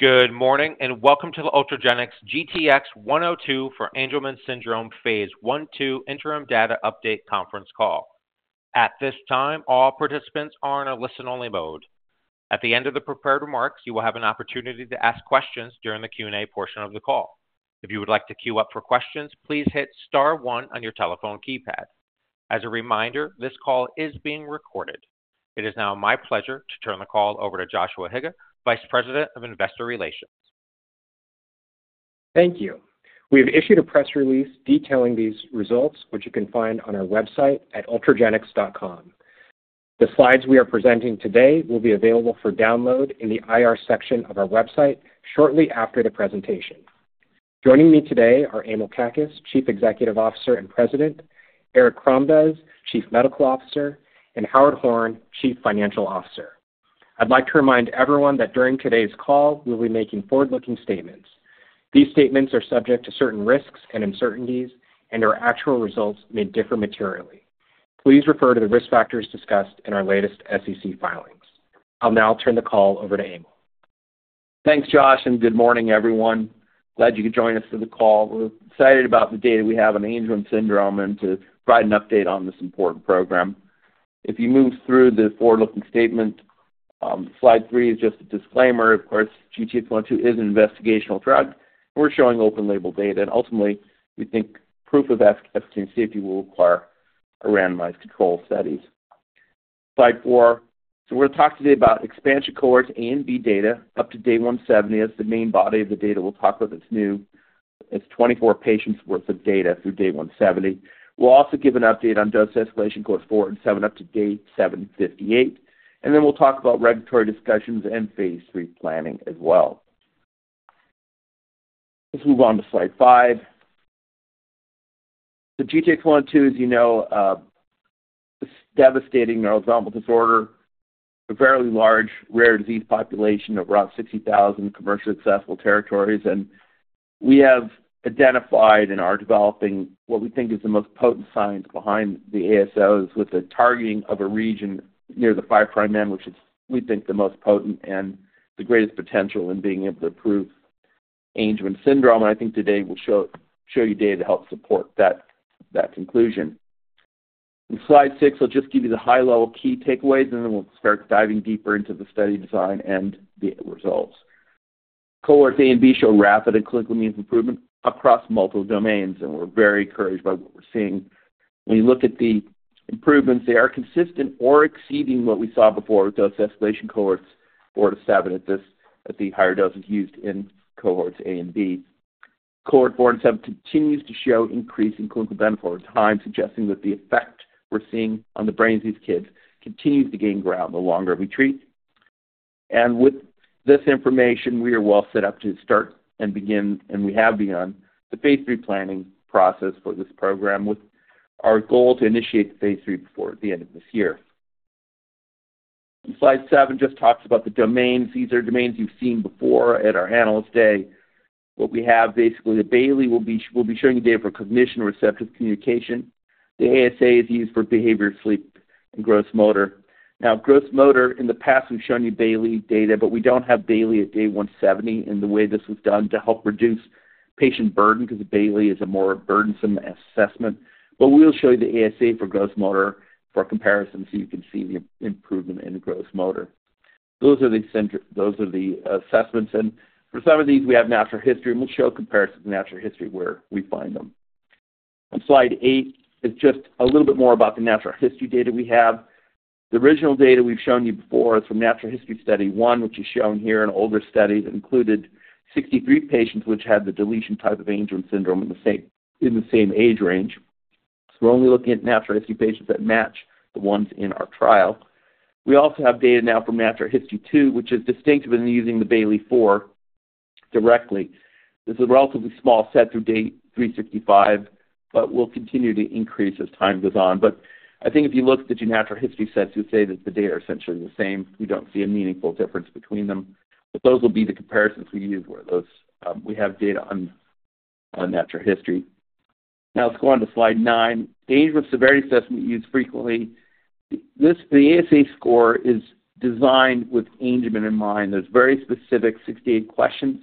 Good morning and welcome to the Ultragenyx GTX-102 for Angelman Syndrome Phase I/II Interim Data Update Conference Call. At this time, all participants are in a listen-only mode. At the end of the prepared remarks, you will have an opportunity to ask questions during the Q&A portion of the call. If you would like to queue up for questions, please hit star 1 on your telephone keypad. As a reminder, this call is being recorded. It is now my pleasure to turn the call over to Joshua Higa, Vice President of Investor Relations. Thank you. We've issued a press release detailing these results, which you can find on our website at ultragenyx.com. The slides we are presenting today will be available for download in the IR section of our website shortly after the presentation. Joining me today are Emil Kakkis, Chief Executive Officer and President, Eric Crombez, Chief Medical Officer, and Howard Horn, Chief Financial Officer. I'd like to remind everyone that during today's call we'll be making forward-looking statements. These statements are subject to certain risks and uncertainties, and our actual results may differ materially. Please refer to the risk factors discussed in our latest SEC filings. I'll now turn the call over to Emil. Thanks, Josh, and good morning, everyone. Glad you could join us for the call. We're excited about the data we have on Angelman Syndrome and to provide an update on this important program. If you move through the forward-looking statement, slide three is just a disclaimer. Of course, GTX-102 is an investigational drug, and we're showing open-label data. Ultimately, we think proof of efficacy and safety will require randomized control studies. Slide four: We're going to talk today about expansion cohorts A and B data, up to day 170 as the main body of the data. We'll talk about what's new. It's 24 patients' worth of data through day 170. We'll also give an update on dose escalation cohorts four and seven up to day 758. Then we'll talk about regulatory discussions and phase III planning as well. Let's move on to slide five. GTX-102, as you know, is a devastating neurodevelopmental disorder, a fairly large, rare disease population of around 60,000 commercially accessible territories. And we have identified in our developing what we think is the most potent science behind the ASOs with the targeting of a region near the five prime end, which is, we think, the most potent and the greatest potential in being able to prove Angelman Syndrome. And I think today we'll show you data to help support that conclusion. In slide six, I'll just give you the high-level key takeaways, and then we'll start diving deeper into the study design and the results. Cohorts A and B show rapid and clinical means improvement across multiple domains, and we're very encouraged by what we're seeing. When you look at the improvements, they are consistent or exceeding what we saw before with dose escalation cohorts four to seven at the higher doses used in cohorts A and B. Cohort four and seven continues to show increasing clinical benefit over time, suggesting that the effect we're seeing on the brains of these kids continues to gain ground the longer we treat. And with this information, we are well set up to start and begin, and we have begun, the phase III planning process for this program with our goal to initiate phase III before the end of this year. Slide seven just talks about the domains. These are domains you've seen before at our analyst day. What we have, basically, the Bayley will be showing you data for cognition and receptive communication. The ASA is used for behavior, sleep, and gross motor. Now, gross motor, in the past, we've shown you Bayley data, but we don't have Bayley at day 170 in the way this was done to help reduce patient burden because Bayley is a more burdensome assessment. But we'll show you the ASA for gross motor for comparison so you can see the improvement in gross motor. Those are the assessments. And for some of these, we have natural history, and we'll show a comparison to natural history where we find them. On slide eight is just a little bit more about the natural history data we have. The original data we've shown you before is from natural history study I, which is shown here in older studies. It included 63 patients which had the deletion type of Angelman Syndrome in the same age range. So we're only looking at natural history patients that match the ones in our trial. We also have data now from natural history II, which is distinctive in using the Bayley-4 directly. This is a relatively small set through day 365, but we'll continue to increase as time goes on. I think if you look at the natural history sets, you'll see that the data are essentially the same. We don't see a meaningful difference between them. Those will be the comparisons we use where we have data on natural history. Now, let's go on to slide nine. The Angelman Severity Assessment we use frequently. The ASA score is designed with Angelman in mind. There's very specific 68 questions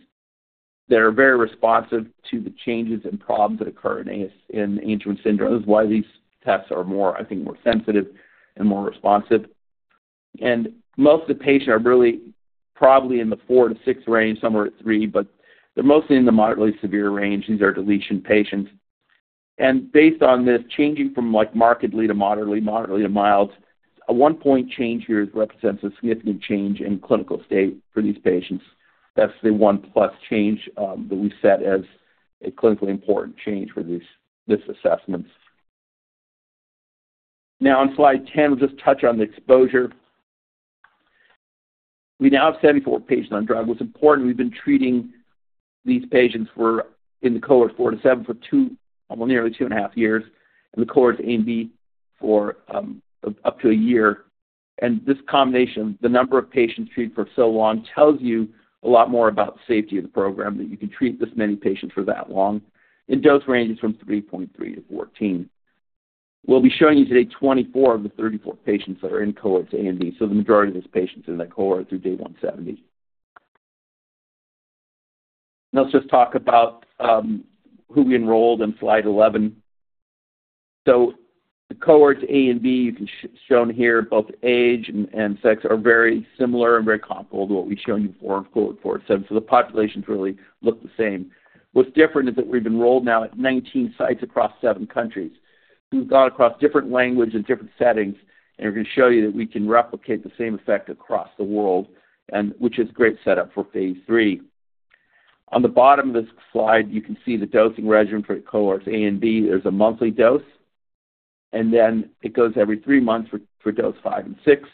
that are very responsive to the changes and problems that occur in Angelman Syndrome. This is why these tests are, I think, more sensitive and more responsive. Most of the patients are really probably in the four to six range, somewhere at three, but they're mostly in the moderately severe range. These are deletion patients. Based on this, changing from markedly to moderately, moderately to mild, a one-point change here represents a significant change in clinical state for these patients. That's the one-plus change that we set as a clinically important change for these assessments. Now, on slide 10, we'll just touch on the exposure. We now have 74 patients on drug. What's important, we've been treating these patients in the cohort four to seven for nearly 2.5 years, and the cohorts A and B for up to a year. This combination, the number of patients treated for so long, tells you a lot more about the safety of the program, that you can treat this many patients for that long in dose ranges from 3.3-14. We'll be showing you today 24 of the 34 patients that are in cohorts A and B, so the majority of these patients are in that cohort through day 170. Now, let's just talk about who we enrolled on slide 11. The cohorts A and B, you can see shown here, both age and sex are very similar and very comparable to what we've shown you before in cohort four to seven. The populations really look the same. What's different is that we've enrolled now at 19 sites across seven countries. We've gone across different languages and different settings, and we're going to show you that we can replicate the same effect across the world, which is a great setup for phase III. On the bottom of this slide, you can see the dosing regimen for cohorts A and B. There's a monthly dose, and then it goes every three months for dose five and six.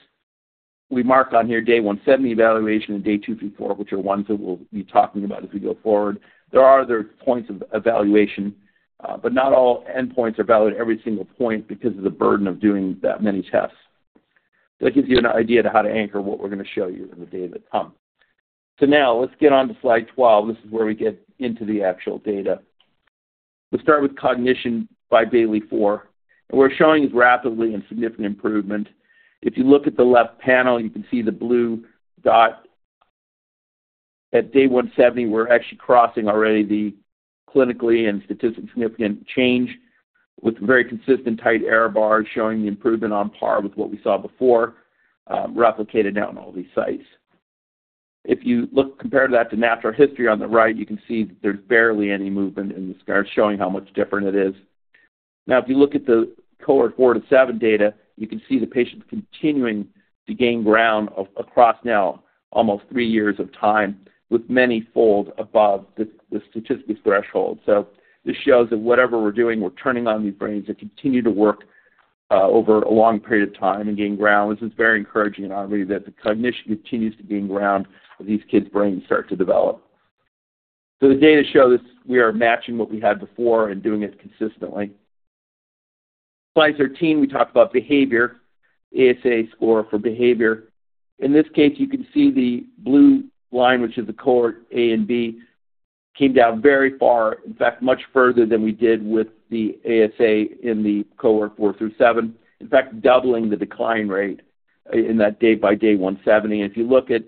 We mark on here day 170 evaluation and day two through four, which are ones that we'll be talking about as we go forward. There are other points of evaluation, but not all endpoints are evaluated every single point because of the burden of doing that many tests. So that gives you an idea of how to anchor what we're going to show you in the data that comes. So now, let's get on to slide 12. This is where we get into the actual data. We start with cognition by Bayley-4. What we're showing is rapid and significant improvement. If you look at the left panel, you can see the blue dot. At day 170, we're actually crossing already the clinically and statistically significant change with very consistent tight error bars showing the improvement on par with what we saw before, replicated now in all these sites. If you compare that to natural history on the right, you can see that there's barely any movement in the scores, showing how much different it is. Now, if you look at the cohort four to seven data, you can see the patients continuing to gain ground across now almost three years of time with many folds above the statistics threshold. So this shows that whatever we're doing, we're turning on these brains that continue to work over a long period of time and gain ground. This is very encouraging in our view that the cognition continues to gain ground as these kids' brains start to develop. So the data shows we are matching what we had before and doing it consistently. Slide 13, we talked about behavior. ASA score for behavior. In this case, you can see the blue line, which is the cohort A and B, came down very far, in fact, much further than we did with the ASA in the cohort four to seven, in fact, doubling the decline rate in that day by day 170. And if you look at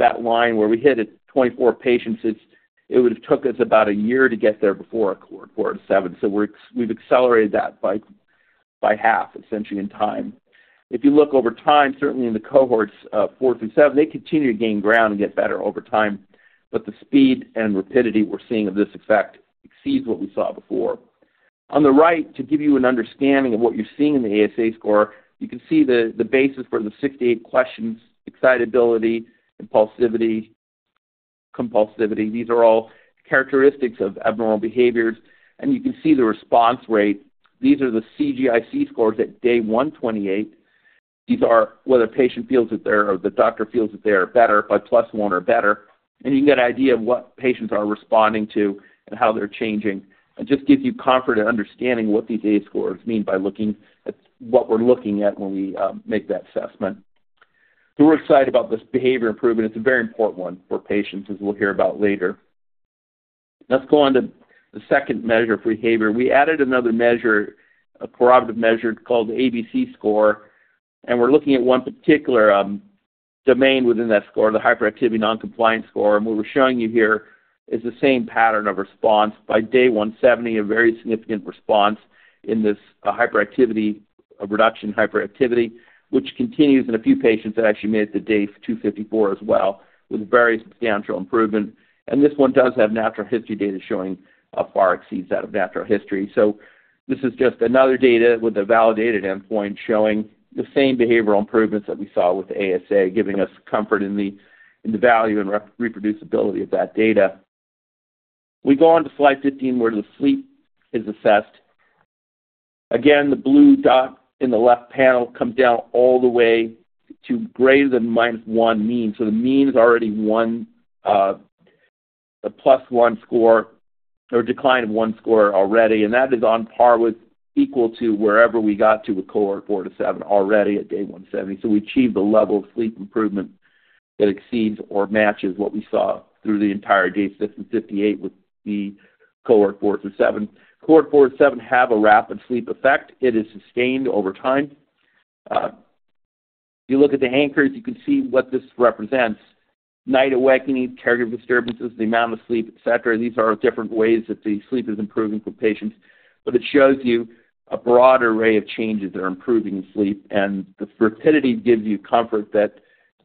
that line where we hit at 24 patients, it would have took us about a year to get there before cohort four to seven. So we've accelerated that by half, essentially, in time. If you look over time, certainly in the cohorts four through seven, they continue to gain ground and get better over time, but the speed and rapidity we're seeing of this effect exceeds what we saw before. On the right, to give you an understanding of what you're seeing in the ASA score, you can see the basis for the 68 questions: excitability, impulsivity, compulsivity. These are all characteristics of abnormal behaviors. And you can see the response rate. These are the CGIC scores at day 128. These are whether a patient feels that they're or the doctor feels that they are better by plus-one or better. And you can get an idea of what patients are responding to and how they're changing. It just gives you comfort and understanding what these ASA scores mean by looking at what we're looking at when we make that assessment. So we're excited about this behavior improvement. It's a very important one for patients, as we'll hear about later. Let's go on to the second measure for behavior. We added another measure, a corroborative measure called the ABC score. And we're looking at one particular domain within that score, the hyperactivity noncompliance score. And what we're showing you here is the same pattern of response. By day 170, a very significant response in this hyperactivity reduction, hyperactivity, which continues in a few patients that actually made it to day 254 as well with very substantial improvement. And this one does have natural history data showing far exceeds that of natural history. So this is just another data with a validated endpoint showing the same behavioral improvements that we saw with the ASA, giving us comfort in the value and reproducibility of that data. We go on to slide 15, where the sleep is assessed. Again, the blue dot in the left panel comes down all the way to greater than minus one mean. So the mean is already a plus one score or a decline of one score already. And that is on par with equal to wherever we got to with cohort four to seven already at day 170. So we achieved a level of sleep improvement that exceeds or matches what we saw through the entire day 158 with the cohort four to seven. Cohort four to seven have a rapid sleep effect. It is sustained over time. If you look at the anchors, you can see what this represents: night awakenings, caregiver disturbances, the amount of sleep, etc. These are different ways that the sleep is improving for patients. But it shows you a broad array of changes that are improving in sleep. And the rapidity gives you comfort that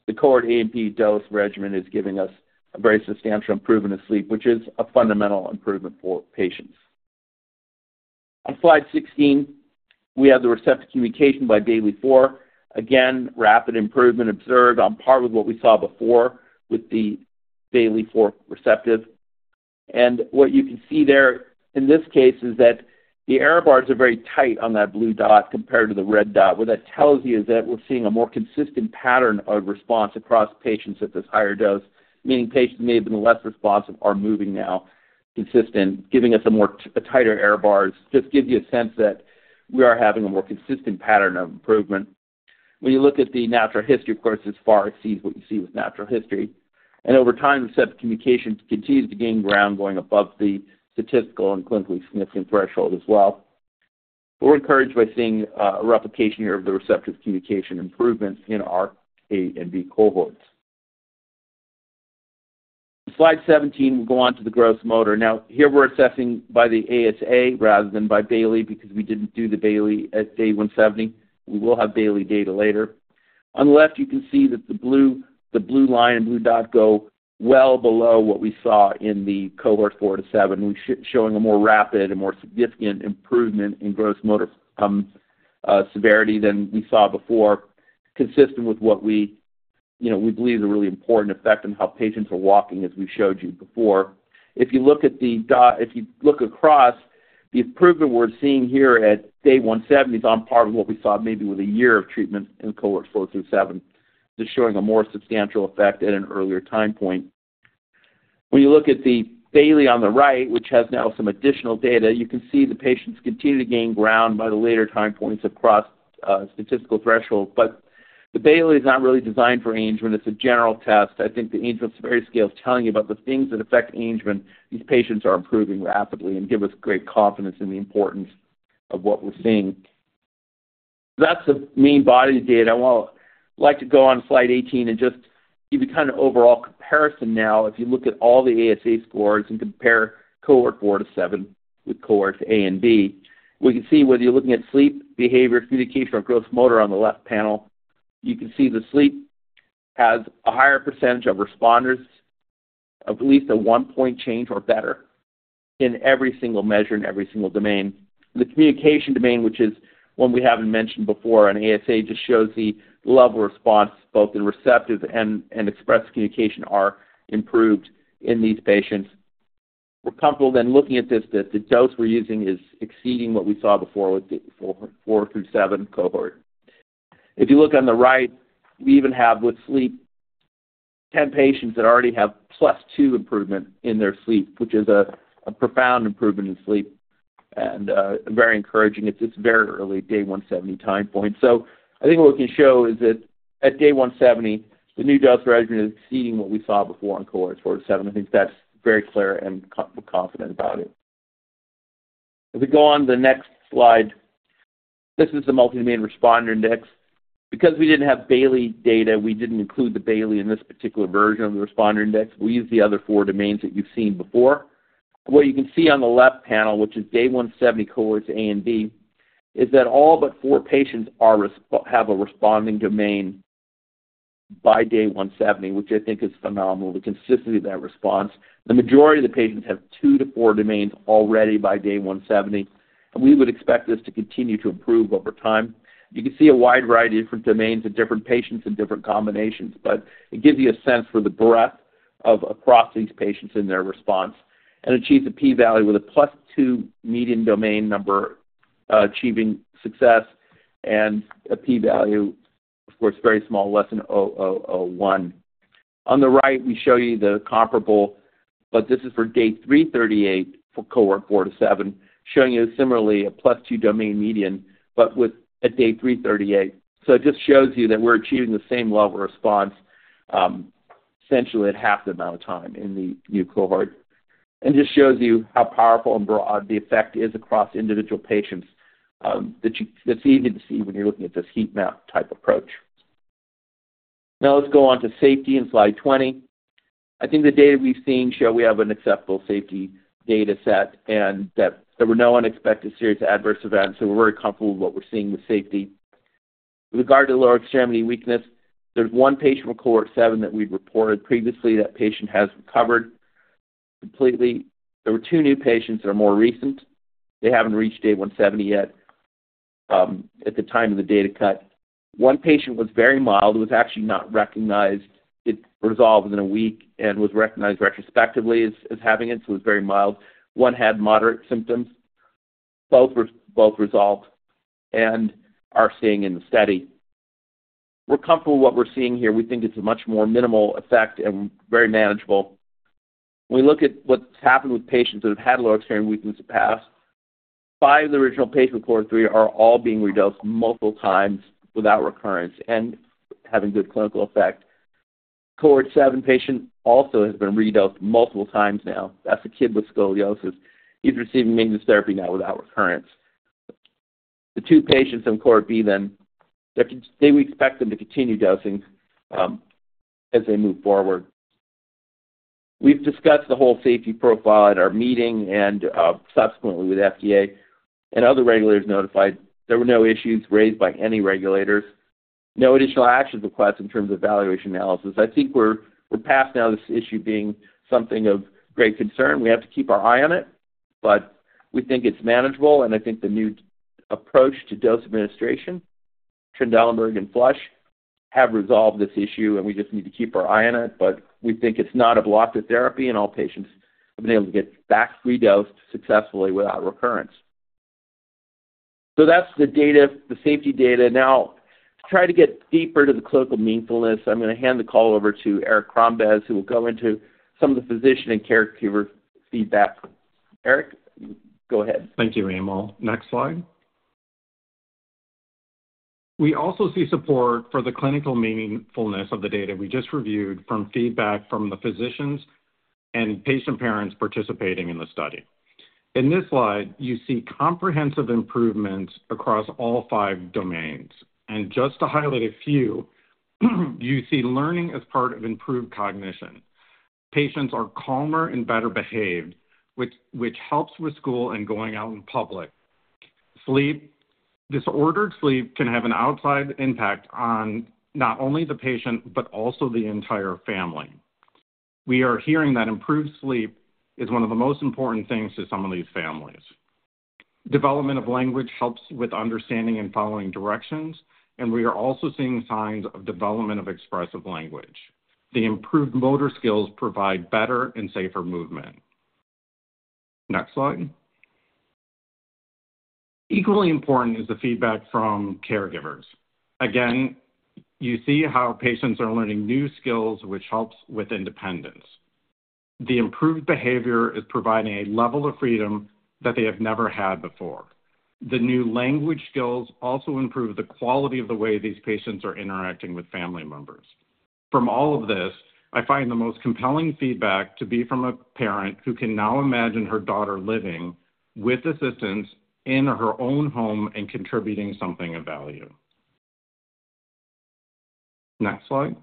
the cohort A and B dose regimen is giving us a very substantial improvement in sleep, which is a fundamental improvement for patients. On slide 16, we have the receptive communication by Bayley-4. Again, rapid improvement observed on par with what we saw before with the Bayley-4 receptive. And what you can see there in this case is that the error bars are very tight on that blue dot compared to the red dot. What that tells you is that we're seeing a more consistent pattern of response across patients at this higher dose, meaning patients may have been less responsive or moving now. Consistent, giving us a tighter error bars. It just gives you a sense that we are having a more consistent pattern of improvement. When you look at the natural history, of course, this far exceeds what you see with natural history. And over time, receptive communication continues to gain ground going above the statistical and clinically significant threshold as well. But we're encouraged by seeing a replication here of the receptive communication improvements in our A and B cohorts. On slide 17, we'll go on to the gross motor. Now, here we're assessing by the ASA rather than by Bayley because we didn't do the Bayley at day 170. We will have Bayley data later. On the left, you can see that the blue line and blue dot go well below what we saw in the cohort four to seven, showing a more rapid and more significant improvement in gross motor severity than we saw before, consistent with what we believe is a really important effect on how patients are walking, as we showed you before. If you look at the dot, if you look across, the improvement we're seeing here at day 170 is on par with what we saw maybe with a year of treatment in cohorts four to seven. This is showing a more substantial effect at an earlier time point. When you look at the Bayley on the right, which has now some additional data, you can see the patients continue to gain ground by the later time points across statistical thresholds. But the Bayley is not really designed for Angelman. It's a general test. I think the Angelman severity scale is telling you about the things that affect Angelman. These patients are improving rapidly and give us great confidence in the importance of what we're seeing. So that's the main body of data. I'd like to go on slide 18 and just give you kind of an overall comparison now. If you look at all the ASA scores and compare cohort four to seven with cohorts A and B, we can see whether you're looking at sleep, behavior, communication, or gross motor. On the left panel, you can see the sleep has a higher percentage of responders of at least a one point change or better in every single measure in every single domain. The communication domain, which is one we haven't mentioned before, an ASA just shows the level of response, both in receptive and expressed communication, are improved in these patients. We're comfortable then looking at this that the dose we're using is exceeding what we saw before with the four to seven cohort. If you look on the right, we even have, with sleep, 10 patients that already have plus two improvement in their sleep, which is a profound improvement in sleep and very encouraging. It's this very early day 170 time point. So I think what we can show is that at day 170, the new dose regimen is exceeding what we saw before in cohorts four to seven. I think that's very clear, and we're confident about it. If we go on to the next slide, this is the multi-domain responder index. Because we didn't have Bayley data, we didn't include the Bayley in this particular version of the responder index. We used the other four domains that you've seen before. What you can see on the left panel, which is day 170 cohorts A and B, is that all but four patients have a responding domain by day 170, which I think is phenomenal, the consistency of that response. The majority of the patients have two to four domains already by day 170. And we would expect this to continue to improve over time. You can see a wide variety of different domains and different patients and different combinations. But it gives you a sense for the breadth across these patients in their response and achieves a p-value with a plus two median domain number achieving success and a p-value, of course, very small, less than 0.0001. On the right, we show you the comparable. But this is for day 338 for cohort four to seven, showing you similarly a plus two domain median but at day 338. So it just shows you that we're achieving the same level of response essentially at half the amount of time in the new cohort. And it just shows you how powerful and broad the effect is across individual patients. That's easy to see when you're looking at this heat map type approach. Now, let's go on to safety on slide 20. I think the data we've seen show we have an acceptable safety data set and that there were no unexpected serious adverse events. So we're very comfortable with what we're seeing with safety. With regard to lower extremity weakness, there's one patient from cohort seven that we'd reported previously. That patient has recovered completely. There were two new patients that are more recent. They haven't reached day 170 yet at the time of the data cut. One patient was very mild. It was actually not recognized. It resolved within a week and was recognized retrospectively as having it, so it was very mild. One had moderate symptoms. Both resolved and are staying in the steady. We're comfortable with what we're seeing here. We think it's a much more minimal effect and very manageable. When we look at what's happened with patients that have had lower extremity weakness in the past, five of the original patients from cohort three are all being redosed multiple times without recurrence and having good clinical effect. Cohort seven patient also has been redosed multiple times now. That's a kid with scoliosis. He's receiving maintenance therapy now without recurrence. The two patients from cohort B then, they would expect them to continue dosing as they move forward. We've discussed the whole safety profile at our meeting and subsequently with the FDA and other regulators notified. There were no issues raised by any regulators. No additional actions requested in terms of evaluation analysis. I think we're past now this issue being something of great concern. We have to keep our eye on it. But we think it's manageable. And I think the new approach to dose administration, Trendelenburg and flush, have resolved this issue. And we just need to keep our eye on it. But we think it's not a block to therapy. And all patients have been able to get back redosed successfully without recurrence. So that's the safety data. Now, to try to get deeper to the clinical meaningfulness, I'm going to hand the call over to Eric Crombez, who will go into some of the physician and caregiver feedback. Eric, go ahead. Thank you, Emil. Next slide. We also see support for the clinical meaningfulness of the data we just reviewed from feedback from the physicians and patient parents participating in the study. In this slide, you see comprehensive improvements across all five domains. And just to highlight a few, you see learning as part of improved cognition. Patients are calmer and better behaved, which helps with school and going out in public. Disordered sleep can have an outside impact on not only the patient but also the entire family. We are hearing that improved sleep is one of the most important things to some of these families. Development of language helps with understanding and following directions. We are also seeing signs of development of expressive language. The improved motor skills provide better and safer movement. Next slide. Equally important is the feedback from caregivers. Again, you see how patients are learning new skills, which helps with independence. The improved behavior is providing a level of freedom that they have never had before. The new language skills also improve the quality of the way these patients are interacting with family members. From all of this, I find the most compelling feedback to be from a parent who can now imagine her daughter living with assistance in her own home and contributing something of value. Next slide.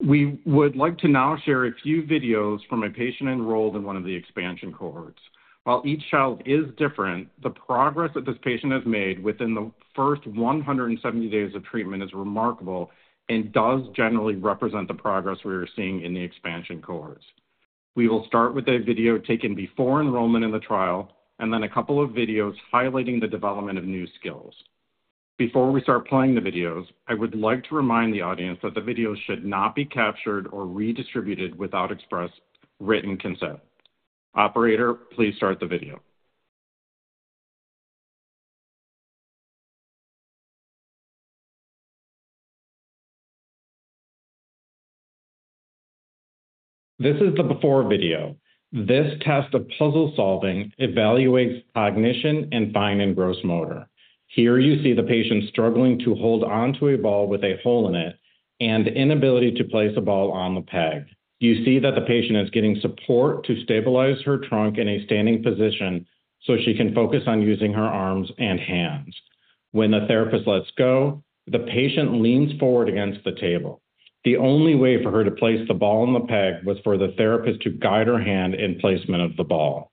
We would like to now share a few videos from a patient enrolled in one of the expansion cohorts. While each child is different, the progress that this patient has made within the first 170 days of treatment is remarkable and does generally represent the progress we are seeing in the expansion cohorts. We will start with a video taken before enrollment in the trial and then a couple of videos highlighting the development of new skills. Before we start playing the videos, I would like to remind the audience that the videos should not be captured or redistributed without express written consent. Operator, please start the video. This is the before video. This test of puzzle solving evaluates cognition and fine and gross motor. Here, you see the patient struggling to hold onto a ball with a hole in it and inability to place a ball on the peg. You see that the patient is getting support to stabilize her trunk in a standing position so she can focus on using her arms and hands. When the therapist lets go, the patient leans forward against the table. The only way for her to place the ball on the peg was for the therapist to guide her hand in placement of the ball.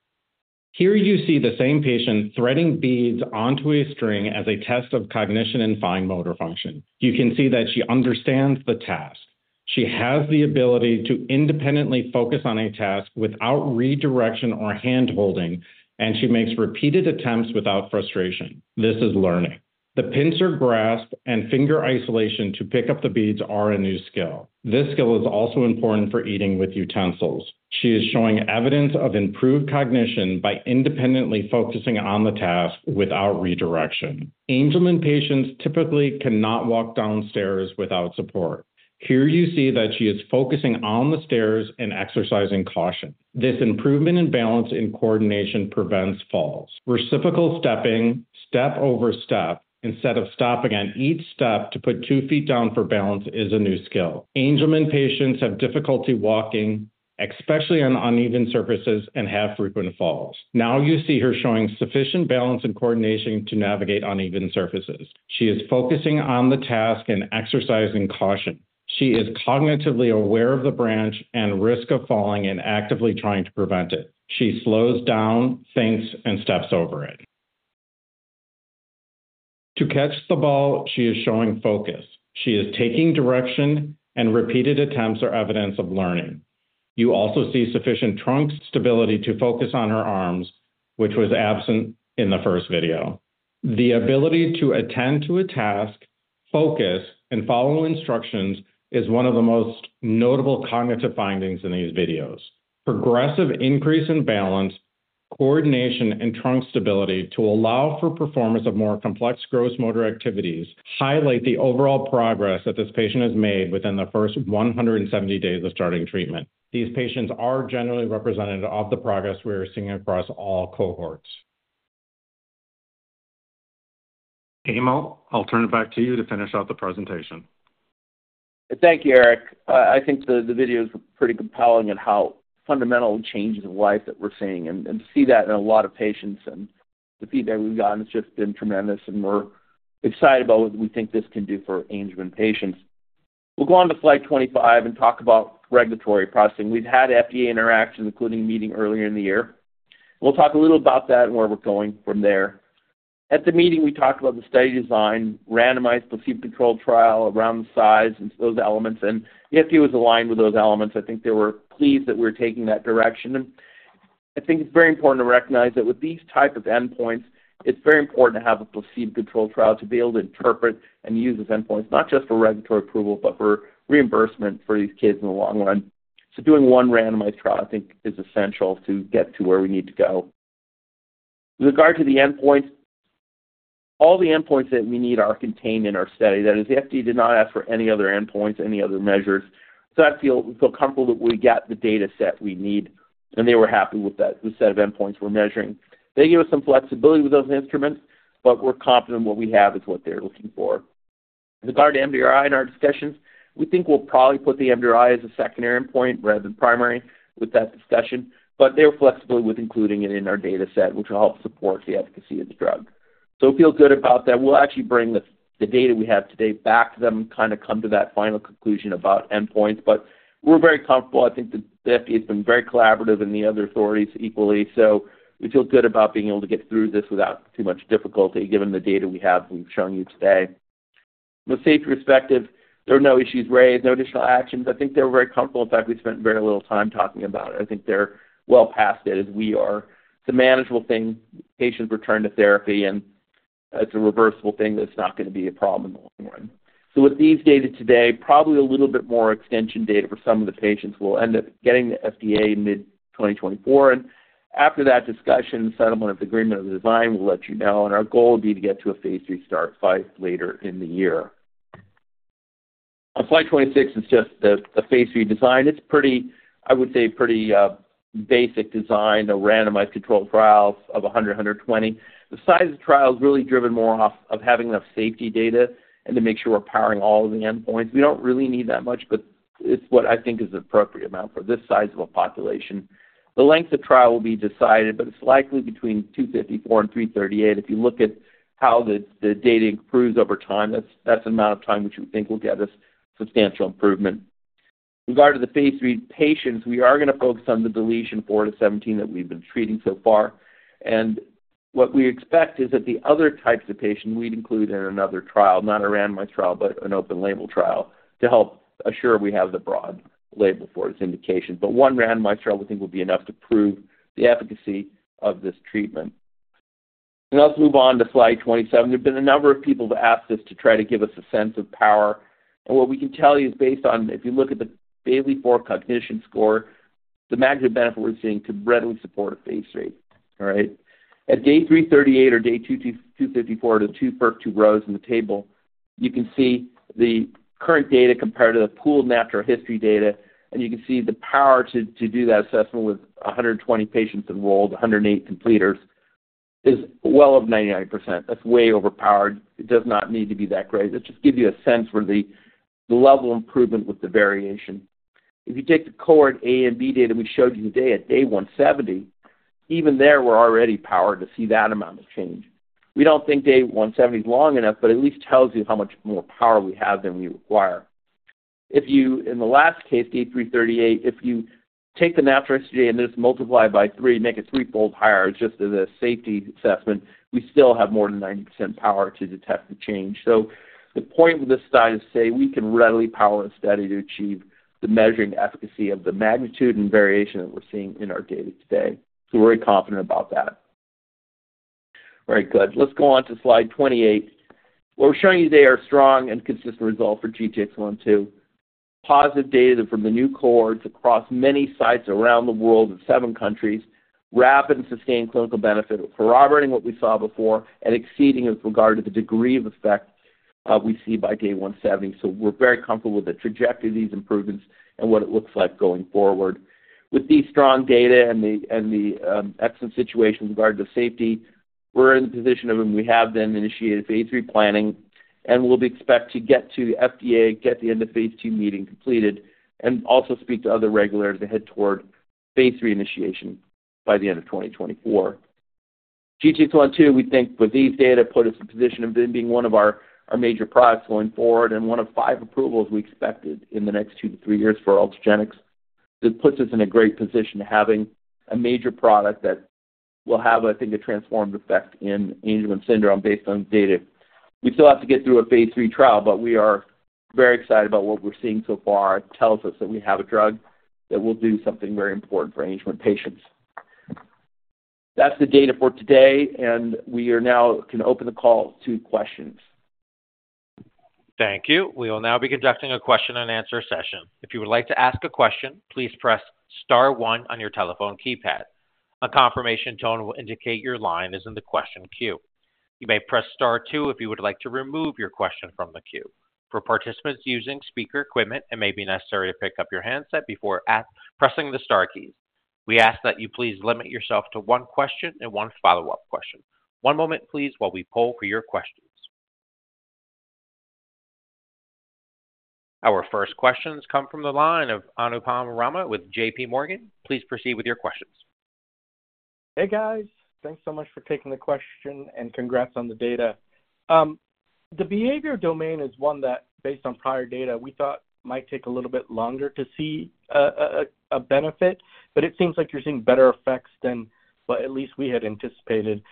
Here, you see the same patient threading beads onto a string as a test of cognition and fine motor function. You can see that she understands the task. She has the ability to independently focus on a task without redirection or hand-holding. She makes repeated attempts without frustration. This is learning. The pincer grasp and finger isolation to pick up the beads are a new skill. This skill is also important for eating with utensils. She is showing evidence of improved cognition by independently focusing on the task without redirection. Angelman patients typically cannot walk down stairs without support. Here, you see that she is focusing on the stairs and exercising caution. This improvement in balance and coordination prevents falls. Reciprocal stepping, step over step, instead of stopping at each step to put two feet down for balance is a new skill. Angelman patients have difficulty walking, especially on uneven surfaces, and have frequent falls. Now, you see her showing sufficient balance and coordination to navigate uneven surfaces. She is focusing on the task and exercising caution. She is cognitively aware of the branch and risk of falling and actively trying to prevent it. She slows down, thinks, and steps over it. To catch the ball, she is showing focus. She is taking direction, and repeated attempts are evidence of learning. You also see sufficient trunk stability to focus on her arms, which was absent in the first video. The ability to attend to a task, focus, and follow instructions is one of the most notable cognitive findings in these videos. Progressive increase in balance, coordination, and trunk stability to allow for performance of more complex gross motor activities highlight the overall progress that this patient has made within the first 170 days of starting treatment. These patients are generally representative of the progress we are seeing across all cohorts. Emil, I'll turn it back to you to finish out the presentation. Thank you, Eric. I think the video is pretty compelling and how fundamental changes in life that we're seeing. And to see that in a lot of patients and the feedback we've gotten, it's just been tremendous. We're excited about what we think this can do for Angelman patients. We'll go on to slide 25 and talk about regulatory processing. We've had FDA interaction, including a meeting earlier in the year. We'll talk a little about that and where we're going from there. At the meeting, we talked about the study design, randomized placebo-controlled trial around the size and those elements. The FDA was aligned with those elements. I think they were pleased that we were taking that direction. I think it's very important to recognize that with these types of endpoints, it's very important to have a placebo-controlled trial to be able to interpret and use these endpoints, not just for regulatory approval but for reimbursement for these kids in the long run. Doing one randomized trial, I think, is essential to get to where we need to go. With regard to the endpoints, all the endpoints that we need are contained in our study. That is, the FDA did not ask for any other endpoints, any other measures. So I feel comfortable that we got the data set we need. And they were happy with the set of endpoints we're measuring. They gave us some flexibility with those instruments. But we're confident what we have is what they're looking for. With regard to MDRI in our discussions, we think we'll probably put the MDRI as a secondary endpoint rather than primary with that discussion. But they have flexibility with including it in our data set, which will help support the efficacy of the drug. So we feel good about that. We'll actually bring the data we have today back to them and kind of come to that final conclusion about endpoints. But we're very comfortable. I think the FDA has been very collaborative and the other authorities equally. So we feel good about being able to get through this without too much difficulty given the data we have we've shown you today. From a safety perspective, there were no issues raised, no additional actions. I think they were very comfortable. In fact, we spent very little time talking about it. I think they're well past it as we are. It's a manageable thing. Patients return to therapy. And it's a reversible thing. That's not going to be a problem in the long run. So with these data today, probably a little bit more extension data for some of the patients. We'll end up getting the FDA mid-2024. And after that discussion, settlement of the agreement of the design, we'll let you know. Our goal would be to get to a phase III start right later in the year. On slide 26 is just the phase III design. It's pretty, I would say, pretty basic design, a randomized controlled trial of 100-120. The size of the trial is really driven more off of having enough safety data and to make sure we're powering all of the endpoints. We don't really need that much. But it's what I think is an appropriate amount for this size of a population. The length of trial will be decided. But it's likely between 254 and 338. If you look at how the data improves over time, that's an amount of time which we think will get us substantial improvement. With regard to the phase III patients, we are going to focus on the deletion four to 17 that we've been treating so far. What we expect is that the other types of patients we'd include in another trial, not a randomized trial but an open-label trial, to help assure we have the broad label for its indication. But one randomized trial, we think, will be enough to prove the efficacy of this treatment. And let's move on to slide 27. There've been a number of people who've asked us to try to give us a sense of power. And what we can tell you is based on if you look at the Bayley-4 cognition score, the magnitude of benefit we're seeing could readily support a phase III, all right? At day 338 or day 254, the first two rows in the table, you can see the current data compared to the pooled natural history data. You can see the power to do that assessment with 120 patients enrolled, 108 completers, is well over 99%. That's way overpowered. It does not need to be that great. That just gives you a sense for the level of improvement with the variation. If you take the Cohort A and B data we showed you today at Day 170, even there, we're already powered to see that amount of change. We don't think Day 170 is long enough. It at least tells you how much more power we have than we require. In the last case, Day 338, if you take the natural history data and just multiply it by three, make it threefold higher just as a safety assessment, we still have more than 90% power to detect the change. So the point with this study is to say we can readily power a study to achieve the measuring efficacy of the magnitude and variation that we're seeing in our data today. So we're very confident about that. Very good. Let's go on to slide 28. What we're showing you today are strong and consistent results for GTX-102. Positive data from the new cohorts across many sites around the world in seven countries, rapid and sustained clinical benefit corroborating what we saw before and exceeding with regard to the degree of effect we see by day 170. So we're very comfortable with the trajectory of these improvements and what it looks like going forward. With these strong data and the excellent situation with regard to safety, we're in the position of and we have then initiated phase III planning. We'll expect to get to the FDA, get the end of phase II meeting completed, and also speak to other regulators to head toward phase III initiation by the end of 2024. GTX-102, we think, with these data, put us in a position of them being one of our major products going forward and one of five approvals we expected in the next two to three years for Ultragenyx. That puts us in a great position having a major product that will have, I think, a transformative effect in Angelman Syndrome based on the data. We still have to get through a phase III trial. But we are very excited about what we're seeing so far. It tells us that we have a drug that will do something very important for Angelman patients. That's the data for today. We now can open the call to questions. Thank you. We will now be conducting a question-and-answer session. If you would like to ask a question, please press star one on your telephone keypad. A confirmation tone will indicate your line is in the question queue. You may press star two if you would like to remove your question from the queue. For participants using speaker equipment, it may be necessary to pick up your handset before pressing the star keys. We ask that you please limit yourself to one question and one follow-up question. One moment, please, while we poll for your questions. Our first questions come from the line of Anupam Rama with JPMorgan. Please proceed with your questions. Hey, guys. Thanks so much for taking the question. Congrats on the data. The behavior domain is one that, based on prior data, we thought might take a little bit longer to see a benefit. It seems like you're seeing better effects than what at least we had anticipated.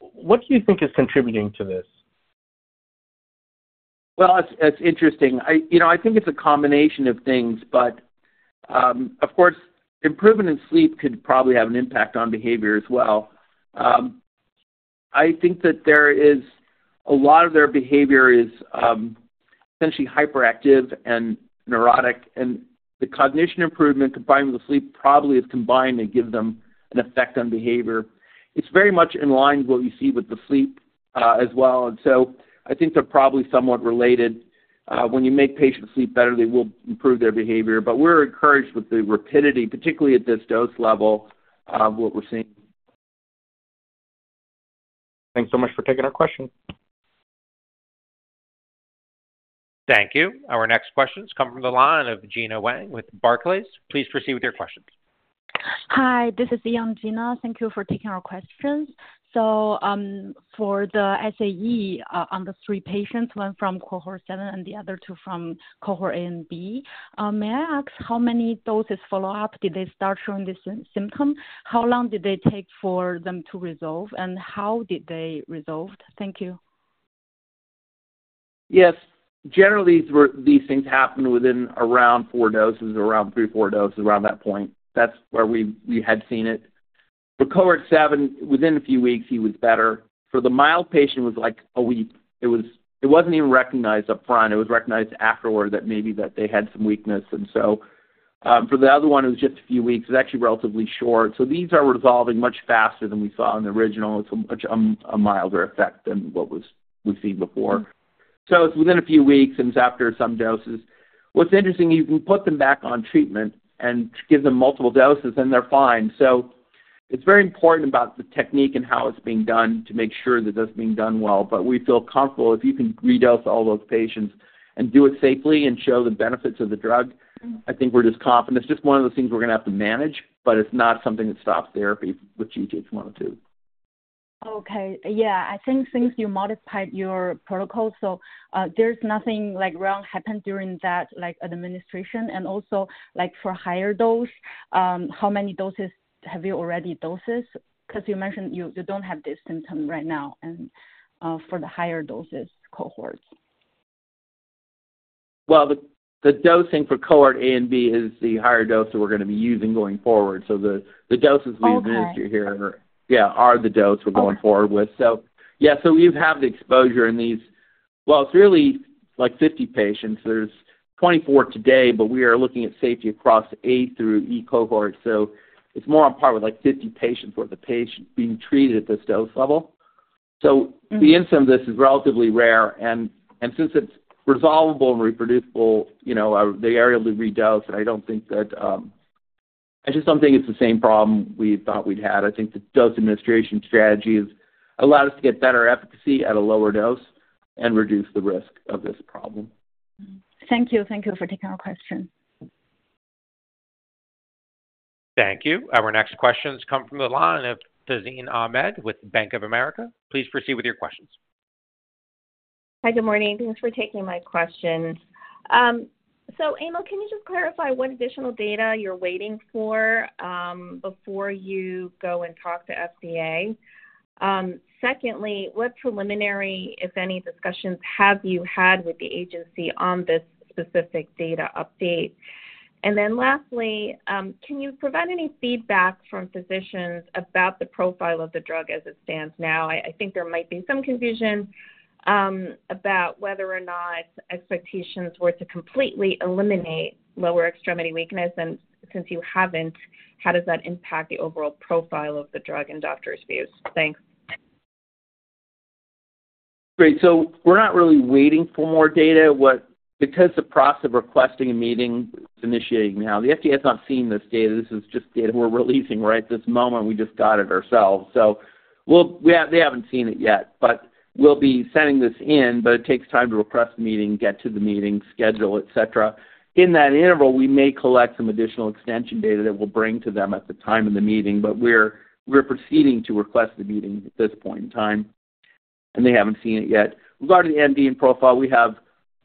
What do you think is contributing to this? Well, it's interesting. I think it's a combination of things. But of course, improvement in sleep could probably have an impact on behavior as well. I think that a lot of their behavior is essentially hyperactive and neurotic. And the cognition improvement combined with the sleep probably is combined to give them an effect on behavior. It's very much in line with what you see with the sleep as well. And so I think they're probably somewhat related. When you make patients sleep better, they will improve their behavior. But we're encouraged with the rapidity, particularly at this dose level, of what we're seeing. Thanks so much for taking our question. Thank you. Our next questions come from the line of Gena Wang with Barclays. Please proceed with your questions. Hi. This is Gena Wang. Thank you for taking our questions. So for the SAE on the three patients, one from cohort seven and the other two from cohort A and B, may I ask how many doses follow-up did they start showing this symptom? How long did they take for them to resolve? And how did they resolve? Thank you. Yes. Generally, these things happen within around four doses, around three, four doses, around that point. That's where we had seen it. For cohort seven, within a few weeks, he was better. For the mild patient, it was like a week. It wasn't even recognized upfront. It was recognized afterward that maybe they had some weakness. And so for the other one, it was just a few weeks. It was actually relatively short. So these are resolving much faster than we saw in the original. It's a much milder effect than what we've seen before. So it's within a few weeks. And it's after some doses. What's interesting, you can put them back on treatment and give them multiple doses. And they're fine. So it's very important about the technique and how it's being done to make sure that that's being done well. But we feel comfortable if you can redose all those patients and do it safely and show the benefits of the drug. I think we're just confident. It's just one of those things we're going to have to manage. But it's not something that stops therapy with GTX-102. Okay. Yeah. I think since you modified your protocol, so there's nothing wrong happened during that administration. And also for higher dose, how many doses have you already dosed? Because you mentioned you don't have this symptom right now for the higher doses cohorts. Well, the dosing for cohort A and B is the higher dose that we're going to be using going forward. So the doses we administer here, yeah, are the dose we're going forward with. So yeah. So we have the exposure in these well, it's really like 50 patients. There's 24 today. But we are looking at safety across A through E cohorts. So it's more on par with like 50 patients worth of patients being treated at this dose level. So the incidence of this is relatively rare. And since it's resolvable and reversible, they are able to redose. And I don't think that I just don't think it's the same problem we thought we'd had. I think the dose administration strategy allowed us to get better efficacy at a lower dose and reduce the risk of this problem. Thank you. Thank you for taking our question. Thank you. Our next questions come from the line of Tazeen Ahmad with Bank of America. Please proceed with your questions. Hi. Good morning. Thanks for taking my questions. So Emil, can you just clarify what additional data you're waiting for before you go and talk to FDA? Secondly, what preliminary, if any, discussions have you had with the agency on this specific data update? And then lastly, can you provide any feedback from physicians about the profile of the drug as it stands now? I think there might be some confusion about whether or not expectations were to completely eliminate lower extremity weakness. And since you haven't, how does that impact the overall profile of the drug in doctors' views? Thanks. Great. So we're not really waiting for more data because the process of requesting a meeting is initiating now. The FDA has not seen this data. This is just data we're releasing, right, at this moment. We just got it ourselves. So they haven't seen it yet. But we'll be sending this in. But it takes time to request the meeting, get to the meeting, schedule, etc. In that interval, we may collect some additional extension data that we'll bring to them at the time of the meeting. But we're proceeding to request the meeting at this point in time. And they haven't seen it yet. With regard to the MDN profile,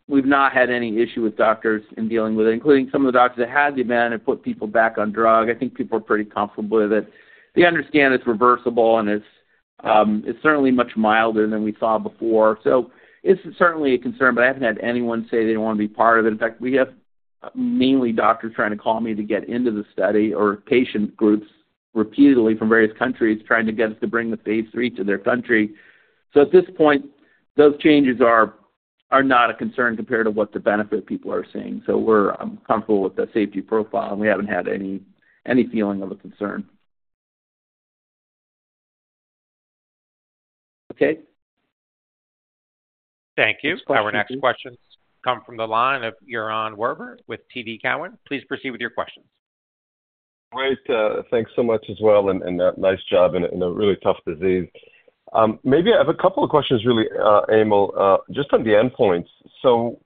we've not had any issue with doctors in dealing with it, including some of the doctors that had the event and put people back on drug. I think people are pretty comfortable with it. They understand it's reversible. It's certainly much milder than we saw before. It's certainly a concern. But I haven't had anyone say they don't want to be part of it. In fact, we have mainly doctors trying to call me to get into the study or patient groups repeatedly from various countries trying to get us to bring the phase III to their country. At this point, those changes are not a concern compared to what the benefit people are seeing. We're comfortable with the safety profile. We haven't had any feeling of a concern. Okay? Thank you. Our next questions come from the line of Yaron Werber with TD Cowen. Please proceed with your questions. Great. Thanks so much as well. And nice job in a really tough disease. Maybe I have a couple of questions, really, Emil, just on the endpoints. So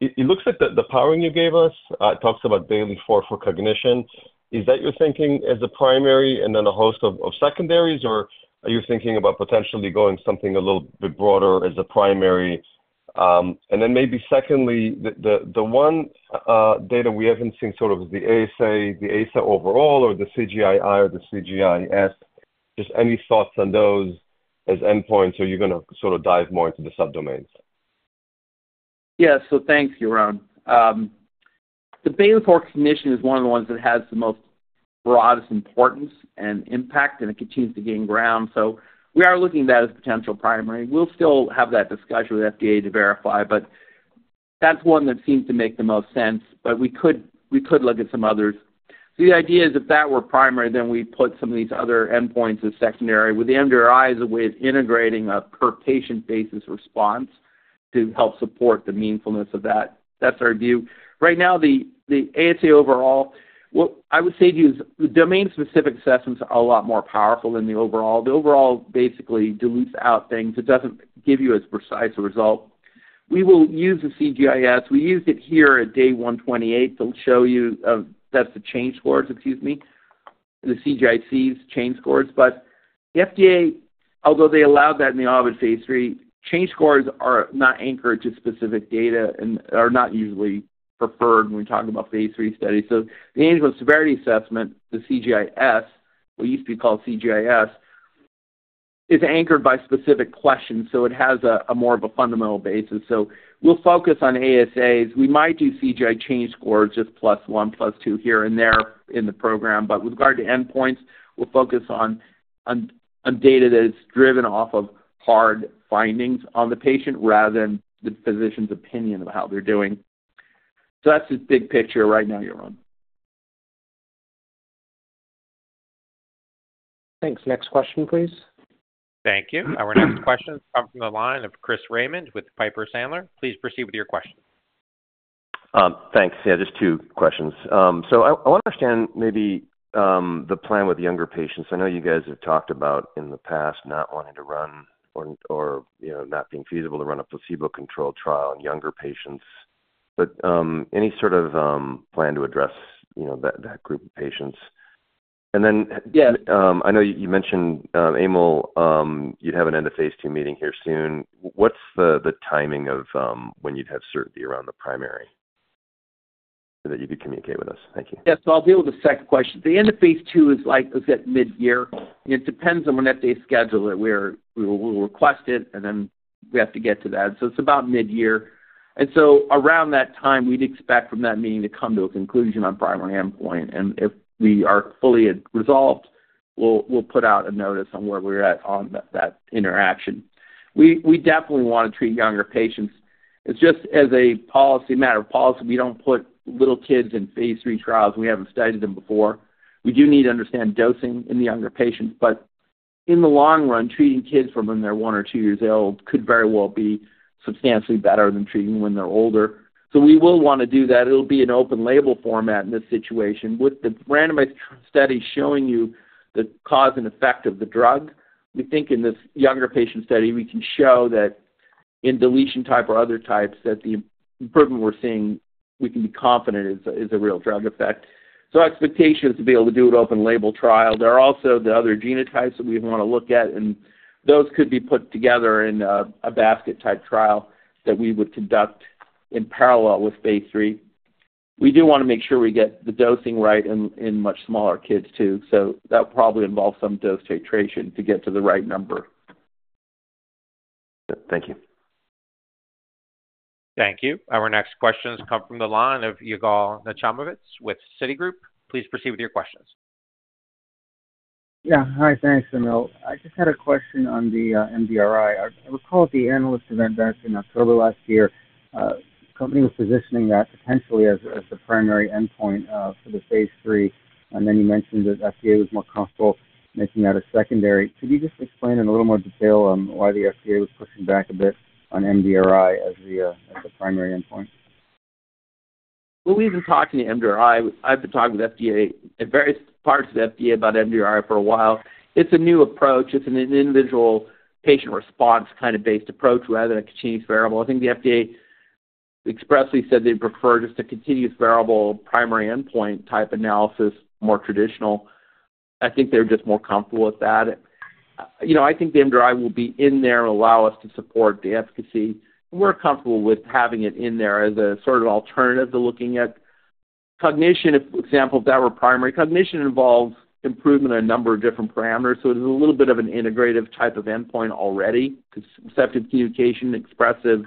it looks like the powering you gave us talks about Bayley-4 for cognition. Is that you're thinking as a primary and then a host of secondaries? Or are you thinking about potentially going something a little bit broader as a primary? And then maybe secondly, the one data we haven't seen sort of is the ASA, the ASA overall, or the CGIC. Just any thoughts on those as endpoints? Or you're going to sort of dive more into the subdomains? Yeah. So thanks, Yaron. The Bayley-4 cognition is one of the ones that has the most broadest importance and impact. It continues to gain ground. We are looking at that as a potential primary. We'll still have that discussion with FDA to verify. That's one that seems to make the most sense. We could look at some others. The idea is if that were primary, then we'd put some of these other endpoints as secondary. With the MDRI as a way of integrating a per-patient basis response to help support the meaningfulness of that, that's our view. Right now, the ASA overall, what I would say to you is the domain-specific assessments are a lot more powerful than the overall. The overall basically dilutes out things. It doesn't give you as precise a result. We will use the CGIC. We used it here at day 128 to show you that's the change scores, excuse me, the CGIC's change scores. But the FDA, although they allowed that in the Aurora phase III, change scores are not anchored to specific data and are not usually preferred when we talk about phase III studies. So the Angelman Severity Assessment, the CGIS, what used to be called CGIS, is anchored by specific questions. So it has more of a fundamental basis. So we'll focus on ASAs. We might do CGI change scores just plus one, plus two here and there in the program. But with regard to endpoints, we'll focus on data that is driven off of hard findings on the patient rather than the physician's opinion of how they're doing. So that's the big picture right now, Yaron. Thanks. Next question, please. Thank you. Our next questions come from the line of Chris Raymond with Piper Sandler. Please proceed with your question. Thanks. Yeah. Just two questions. So I want to understand maybe the plan with younger patients. I know you guys have talked about in the past not wanting to run or not being feasible to run a placebo-controlled trial on younger patients. But any sort of plan to address that group of patients? And then I know you mentioned, Emil, you'd have an end of phase II meeting here soon. What's the timing of when you'd have certainty around the primary that you could communicate with us? Thank you. Yeah. So I'll be able to second question. The end of phase II is like I said, mid-year. And it depends on when FDA scheduled it. We will request it. And then we have to get to that. So it's about mid-year. Around that time, we'd expect from that meeting to come to a conclusion on primary endpoint. If we are fully resolved, we'll put out a notice on where we're at on that interaction. We definitely want to treat younger patients. It's just as a matter of policy, we don't put little kids in phase III trials. We haven't studied them before. We do need to understand dosing in the younger patients. In the long run, treating kids from when they're one or two years old could very well be substantially better than treating when they're older. We will want to do that. It'll be an open-label format in this situation with the randomized study showing you the cause and effect of the drug. We think in this younger patient study, we can show that in deletion type or other types that the improvement we're seeing, we can be confident is a real drug effect. So our expectation is to be able to do an open-label trial. There are also the other genotypes that we want to look at. And those could be put together in a basket-type trial that we would conduct in parallel with phase III. We do want to make sure we get the dosing right in much smaller kids too. So that would probably involve some dose titration to get to the right number. Thank you. Thank you. Our next questions come from the line of Yigal Nochomovitz with Citigroup. Please proceed with your questions. Yeah. Hi. Thanks, Emil. I just had a question on the MDRI. I recall at the analyst event back in October last year, the company was positioning that potentially as the primary endpoint for the phase III. And then you mentioned that FDA was more comfortable making that a secondary. Could you just explain in a little more detail why the FDA was pushing back a bit on MDRI as the primary endpoint? Well, we've been talking to MDRI. I've been talking with FDA and various parts of the FDA about MDRI for a while. It's a new approach. It's an individual patient response kind of based approach rather than a continuous variable. I think the FDA expressly said they'd prefer just a continuous variable primary endpoint type analysis, more traditional. I think they're just more comfortable with that. I think the MDRI will be in there and allow us to support the efficacy. And we're comfortable with having it in there as a sort of alternative to looking at cognition, for example, if that were primary. Cognition involves improvement in a number of different parameters. So it is a little bit of an integrative type of endpoint already because receptive communication, expressive,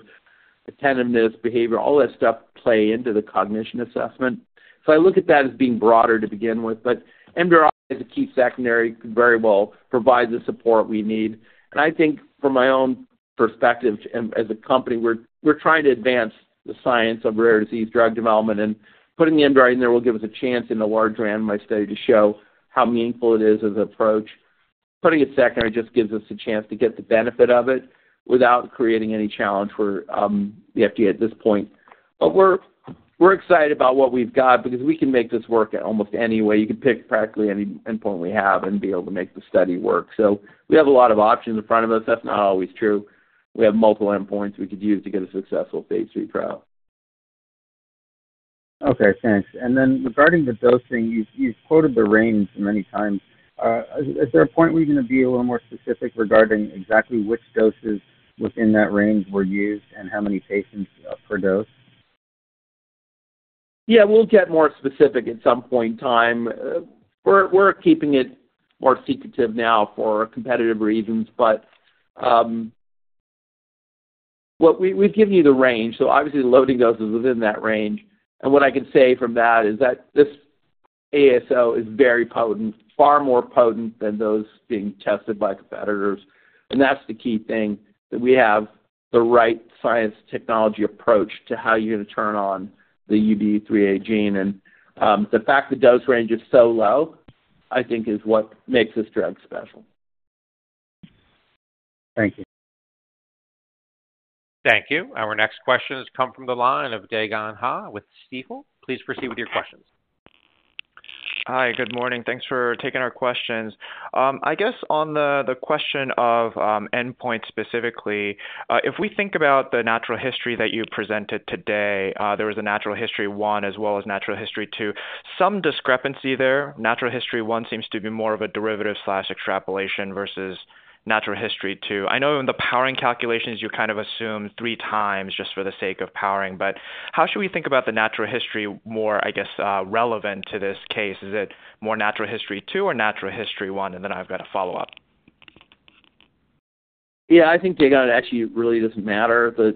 attentiveness, behavior, all that stuff play into the cognition assessment. So I look at that as being broader to begin with. But MDRI as a key secondary could very well provide the support we need. And I think from my own perspective as a company, we're trying to advance the science of rare disease drug development. And putting the MDRI in there will give us a chance in a large randomized study to show how meaningful it is as an approach. Putting it secondary just gives us a chance to get the benefit of it without creating any challenge for the FDA at this point. But we're excited about what we've got because we can make this work almost any way. You can pick practically any endpoint we have and be able to make the study work. So we have a lot of options in front of us. That's not always true. We have multiple endpoints we could use to get a successful phase III trial. Okay. Thanks. And then regarding the dosing, you've quoted the range many times. Is there a point where you're going to be a little more specific regarding exactly which doses within that range were used and how many patients per dose? Yeah. We'll get more specific at some point in time. We're keeping it more secretive now for competitive reasons. But we've given you the range. So obviously, the loading dose is within that range. And what I can say from that is that this ASO is very potent, far more potent than those being tested by competitors. And that's the key thing, that we have the right science technology approach to how you're going to turn on the UBE3A gene. And the fact the dose range is so low, I think, is what makes this drug special. Thank you. Thank you. Our next questions come from the line of Dae Gon Ha with Stifel. Please proceed with your questions. Hi. Good morning. Thanks for taking our questions. I guess on the question of endpoints specifically, if we think about the natural history that you presented today, there was a natural history 1 as well as natural history 2. Some discrepancy there. Natural history 1 seems to be more of a derivative/extrapolation versus natural history 2. I know in the powering calculations, you kind of assume three times just for the sake of powering. But how should we think about the natural history more, I guess, relevant to this case? Is it more natural history 2 or natural history 1? And then I've got a follow-up. Yeah. I think, Dae Gon, it actually really doesn't matter. The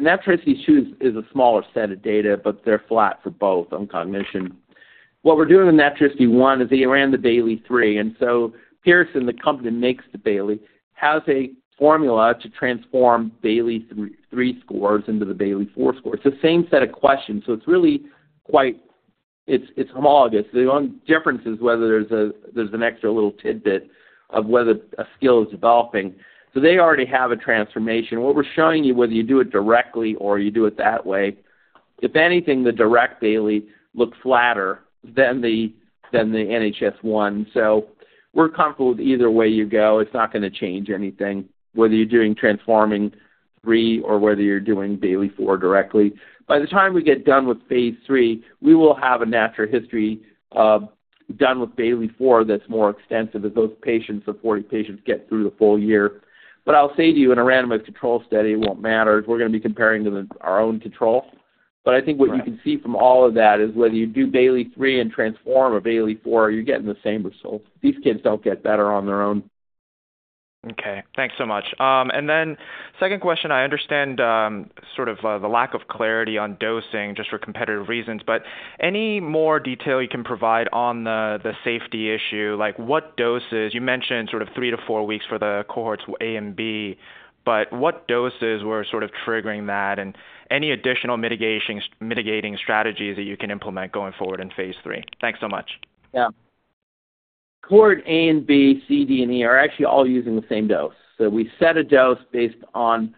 natural history 2 is a smaller set of data. But they're flat for both on cognition. What we're doing with natural history one is that you ran the Bayley-3. And so Pearson, the company that makes the Bayley, has a formula to transform Bayley-3 scores into the Bayley-4 scores. It's the same set of questions. So it's really quite homologous. The only difference is whether there's an extra little tidbit of whether a skill is developing. They already have a transformation. What we're showing you, whether you do it directly or you do it that way, if anything, the direct Bayley looks flatter than the NHS one. We're comfortable with either way you go. It's not going to change anything, whether you're doing transforming Bayley-3 or whether you're doing Bayley-4 directly. By the time we get done with phase III, we will have a natural history done with Bayley-4 that's more extensive as those patients, the 40 patients, get through the full year. But I'll say to you, in a randomized control study, it won't matter. We're going to be comparing to our own control. But I think what you can see from all of that is whether you do Bayley-3 and transform a Bayley-4, you're getting the same result. These kids don't get better on their own. Okay. Thanks so much. And then second question, I understand sort of the lack of clarity on dosing just for competitive reasons. But any more detail you can provide on the safety issue? You mentioned sort of three to four weeks for the cohorts A and B. But what doses were sort of triggering that? And any additional mitigating strategies that you can implement going forward in phase III? Thanks so much. Yeah. Cohort A and B, C, D, and E are actually all using the same dose. So we set a dose based on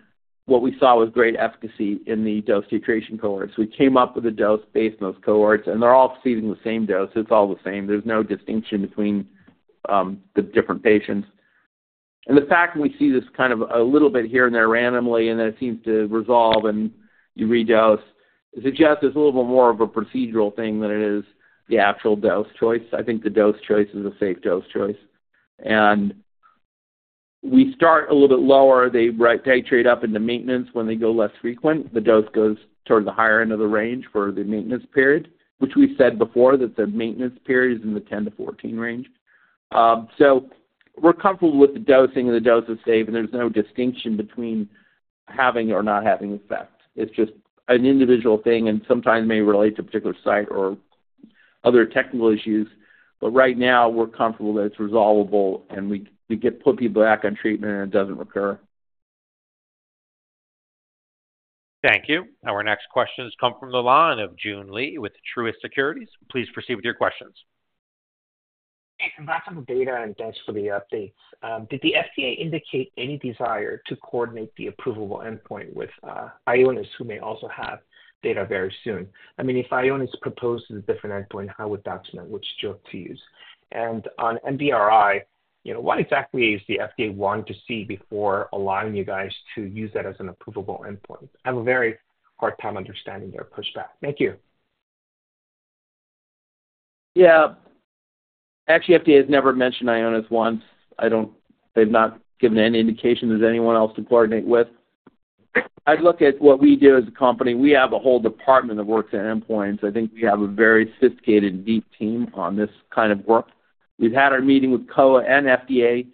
what we saw was great efficacy in the dose titration cohorts. We came up with a dose based on those cohorts. They're all receiving the same dose. It's all the same. There's no distinction between the different patients. The fact we see this kind of a little bit here and there randomly and then it seems to resolve and you redose suggests there's a little bit more of a procedural thing than it is the actual dose choice. I think the dose choice is a safe dose choice. We start a little bit lower. They titrate up into maintenance when they go less frequent. The dose goes toward the higher end of the range for the maintenance period, which we said before that the maintenance period is in the 10-14 range. We're comfortable with the dosing. The dose is safe. There's no distinction between having or not having effect. It's just an individual thing. Sometimes it may relate to a particular site or other technical issues. But right now, we're comfortable that it's resolvable. And we get put people back on treatment. And it doesn't recur. Thank you. Our next questions come from the line of Joon Lee with Truist Securities. Please proceed with your questions. Hey. Some awesome data. Thanks for the updates. Did the FDA indicate any desire to coordinate the approval endpoint with Ionis, who may also have data very soon? I mean, if Ionis proposes a different endpoint, how would that connect? Which drug to use? And on MDRI, what exactly is the FDA wanting to see before allowing you guys to use that as an approval endpoint? I have a very hard time understanding their pushback. Thank you. Yeah. Actually, FDA has never mentioned Ionis once. They've not given any indication there's anyone else to coordinate with. I'd look at what we do as a company. We have a whole department that works at endpoints. I think we have a very sophisticated, deep team on this kind of work. We've had our meeting with COA and FDA.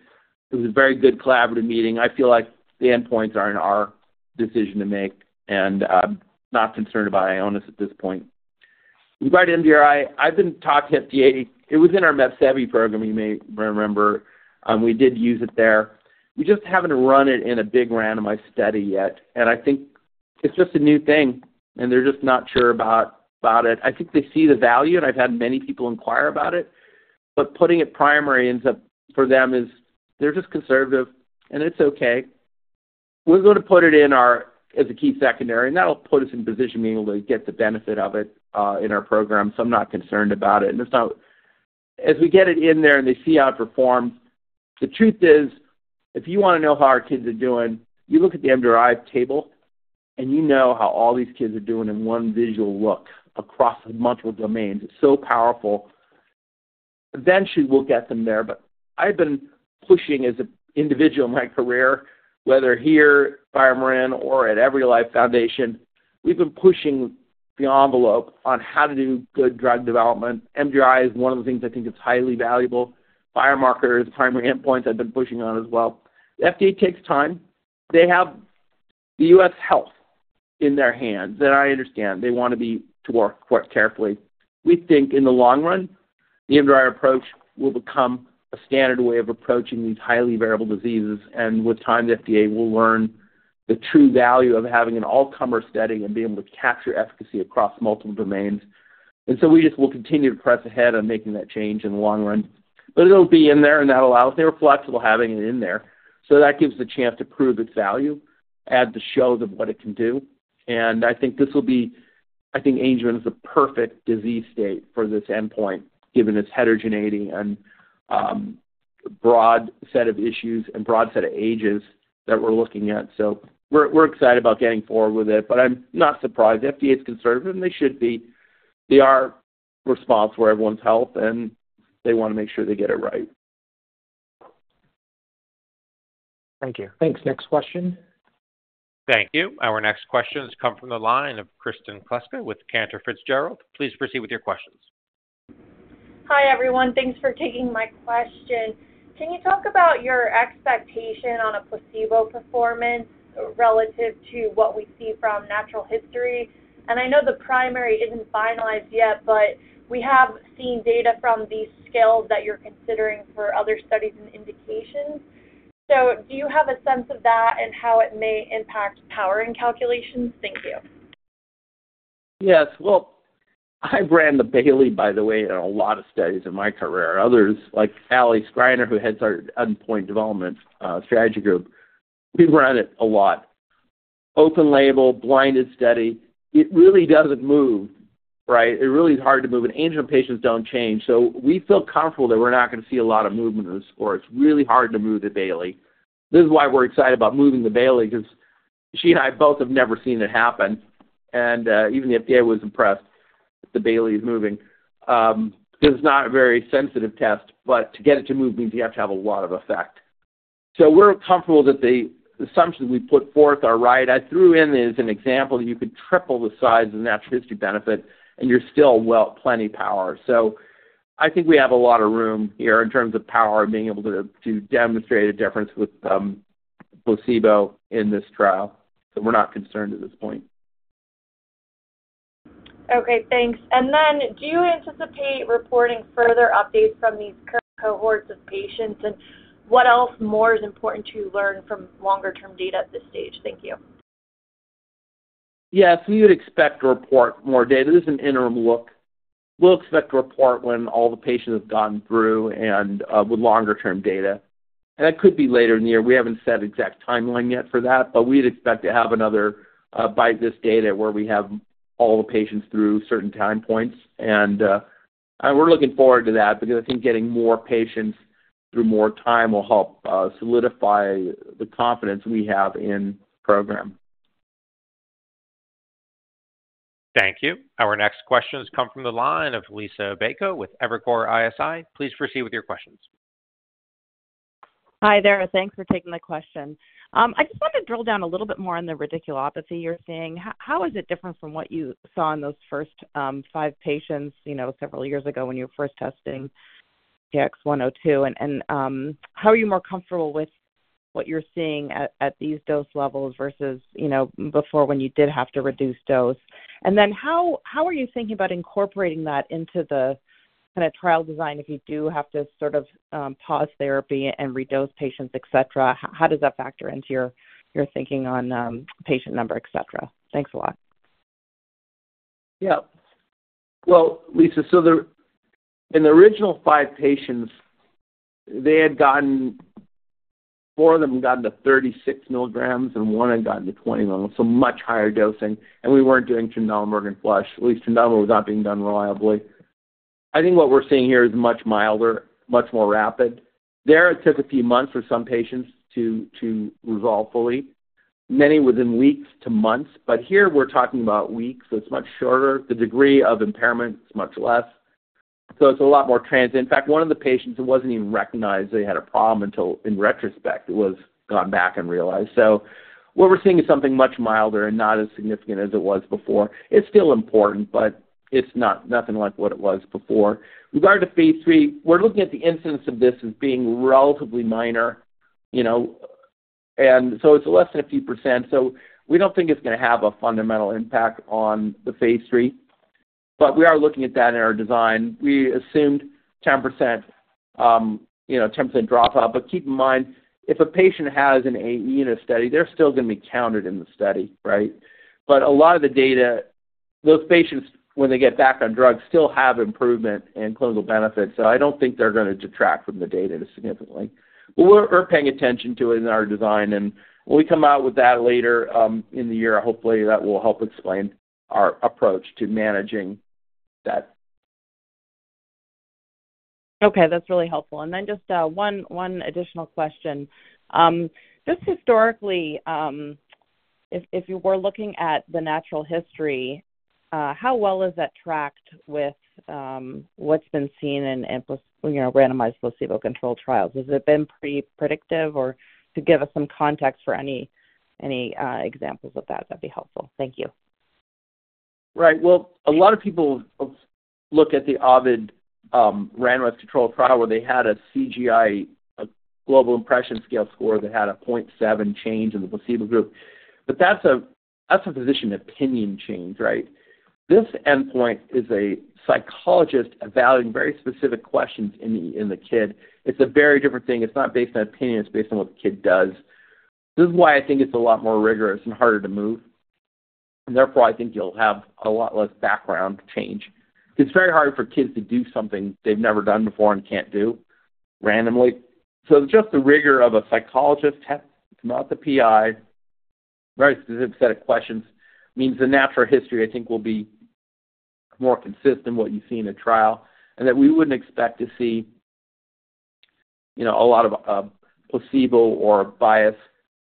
It was a very good collaborative meeting. I feel like the endpoints are in our decision to make. I'm not concerned about Ionis at this point. Regarding MDRI, I've been talking to FDA. It was in our MEPSEVII program, you may remember. We did use it there. We just haven't run it in a big randomized study yet. I think it's just a new thing. They're just not sure about it. I think they see the value. I've had many people inquire about it. But putting it primary ends up for them is they're just conservative. And it's okay. We're going to put it in as a key secondary. And that'll put us in position being able to get the benefit of it in our program. So I'm not concerned about it. And as we get it in there and they see how it performs, the truth is, if you want to know how our kids are doing, you look at the MDRI table. And you know how all these kids are doing in one visual look across multiple domains. It's so powerful. Eventually, we'll get them there. But I've been pushing as an individual in my career, whether here, BioMarin, or at Every Life Foundation, we've been pushing the envelope on how to do good drug development. MDRI is one of the things I think is highly valuable. Biomarkers, primary endpoints, I've been pushing on as well. The FDA takes time. They have the U.S. health in their hands. I understand. They want to work quite carefully. We think in the long run, the MDRI approach will become a standard way of approaching these highly variable diseases. With time, the FDA will learn the true value of having an all-comer study and being able to capture efficacy across multiple domains. So we just will continue to press ahead on making that change in the long run. But it'll be in there. That'll allow us. They were flexible having it in there. That gives us a chance to prove its value, and this shows what it can do. I think this will be. I think Angelman is the perfect disease state for this endpoint given its heterogeneity and broad set of issues and broad set of ages that we're looking at. So we're excited about getting forward with it. But I'm not surprised. The FDA is conservative. And they should be. They are responsible for everyone's health. And they want to make sure they get it right. Thank you. Thanks. Next question. Thank you. Our next questions come from the line of Kristen Kluska with Cantor Fitzgerald. Please proceed with your questions. Hi, everyone. Thanks for taking my question. Can you talk about your expectation on a placebo performance relative to what we see from natural history? And I know the primary isn't finalized yet. But we have seen data from these scales that you're considering for other studies and indications. So do you have a sense of that and how it may impact powering calculations? Thank you. Yes. Well, I ran the Bayley, by the way, in a lot of studies in my career. Others, like Alex Greiner, who heads our endpoint development strategy group, we run it a lot. Open label, blinded study. It really doesn't move, right? It really is hard to move. And Angelman patients don't change. So we feel comfortable that we're not going to see a lot of movement in the score. It's really hard to move the Bayley. This is why we're excited about moving the Bayley because she and I both have never seen it happen. And even the FDA was impressed that the Bayley is moving because it's not a very sensitive test. But to get it to move means you have to have a lot of effect. So we're comfortable that the assumption that we put forth are right. I threw in as an example that you could triple the size of the natural history benefit. And you're still well plenty power. So I think we have a lot of room here in terms of power and being able to demonstrate a difference with placebo in this trial. So we're not concerned at this point. Okay. Thanks. And then do you anticipate reporting further updates from these current cohorts of patients? And what else more is important to learn from longer-term data at this stage? Thank you. Yes. We would expect to report more data. This is an interim look. We'll expect to report when all the patients have gone through and with longer-term data. And that could be later in the year. We haven't set an exact timeline yet for that. But we'd expect to have another bite of this data where we have all the patients through certain time points. And we're looking forward to that because I think getting more patients through more time will help solidify the confidence we have in the program. Thank you. Our next questions come from the line of Liisa Bayko with Evercore ISI. Please proceed with your questions. Hi there. Thanks for taking the question. I just wanted to drill down a little bit more on the radiculopathy you're seeing. How is it different from what you saw in those first five patients several years ago when you were first testing GTX-102? And how are you more comfortable with what you're seeing at these dose levels versus before when you did have to reduce dose? And then how are you thinking about incorporating that into the kind of trial design if you do have to sort of pause therapy and redose patients, etc.? How does that factor into your thinking on patient number, etc.? Thanks a lot. Yeah. Well, Lisa, so in the original five patients, four of them had gotten to 36 mg. And one had gotten to 20 mg. So much higher dosing. And we weren't doing Trendelenburg and flush. At least Trendelenburg was not being done reliably. I think what we're seeing here is much milder, much more rapid. There, it took a few months for some patients to resolve fully, many within weeks to months. But here, we're talking about weeks. So it's much shorter. The degree of impairment is much less. So it's a lot more transient. In fact, one of the patients, it wasn't even recognized that he had a problem until in retrospect, it was gone back and realized. So what we're seeing is something much milder and not as significant as it was before. It's still important. But it's nothing like what it was before. Regarding phase III, we're looking at the incidence of this as being relatively minor. And so it's less than a few percent. So we don't think it's going to have a fundamental impact on the phase III. But we are looking at that in our design. We assumed 10% dropout. But keep in mind, if a patient has an AE in a study, they're still going to be counted in the study, right? But a lot of the data, those patients, when they get back on drugs, still have improvement and clinical benefits. I don't think they're going to detract from the data significantly. We're paying attention to it in our design. When we come out with that later in the year, hopefully, that will help explain our approach to managing that. Okay. That's really helpful. Just one additional question. Just historically, if you were looking at the natural history, how well is that tracked with what's been seen in randomized placebo-controlled trials? Has it been pretty predictive? To give us some context for any examples of that, that'd be helpful. Thank you. Right. Well, a lot of people look at the Ovid randomized controlled trial where they had a CGI, a global impression scale score that had a 0.7 change in the placebo group. That's a physician opinion change, right? This endpoint is a psychologist evaluating very specific questions in the kid. It's a very different thing. It's not based on opinion. It's based on what the kid does. This is why I think it's a lot more rigorous and harder to move. And therefore, I think you'll have a lot less background change because it's very hard for kids to do something they've never done before and can't do randomly. So just the rigor of a psychologist test to come out the PI, very specific set of questions, means the natural history, I think, will be more consistent with what you see in a trial and that we wouldn't expect to see a lot of placebo or bias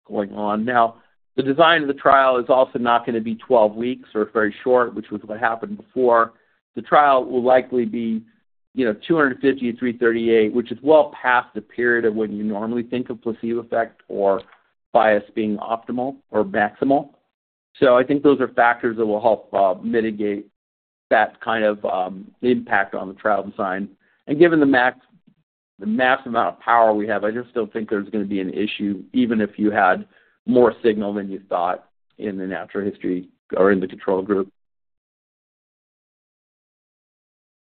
going on. Now, the design of the trial is also not going to be 12 weeks or very short, which was what happened before. The trial will likely be 250-338, which is well past the period of when you normally think of placebo effect or bias being optimal or maximal. I think those are factors that will help mitigate that kind of impact on the trial design. Given the maximum amount of power we have, I just don't think there's going to be an issue even if you had more signal than you thought in the natural history or in the control group.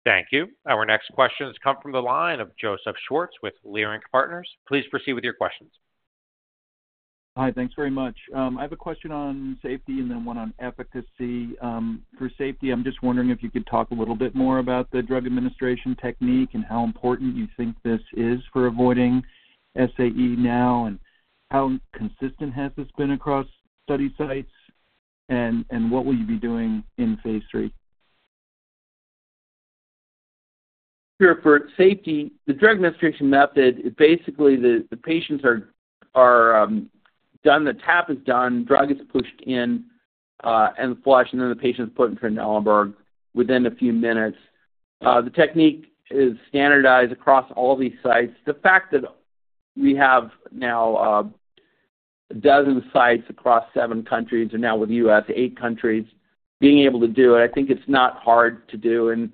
Thank you. Our next questions come from the line of Joseph Schwartz with Leerink Partners. Please proceed with your questions. Hi. Thanks very much. I have a question on safety and then one on efficacy. For safety, I'm just wondering if you could talk a little bit more about the drug administration technique and how important you think this is for avoiding SAE now. How consistent has this been across study sites? What will you be doing in phase III? Sure. For safety, the drug administration method is basically the patients are done. The tap is done. Drug is pushed in. And the flush. And then the patient is put in Trendelenburg within a few minutes. The technique is standardized across all these sites. The fact that we have now 12 sites across seven countries and now with the US, eight countries, being able to do it, I think it's not hard to do. And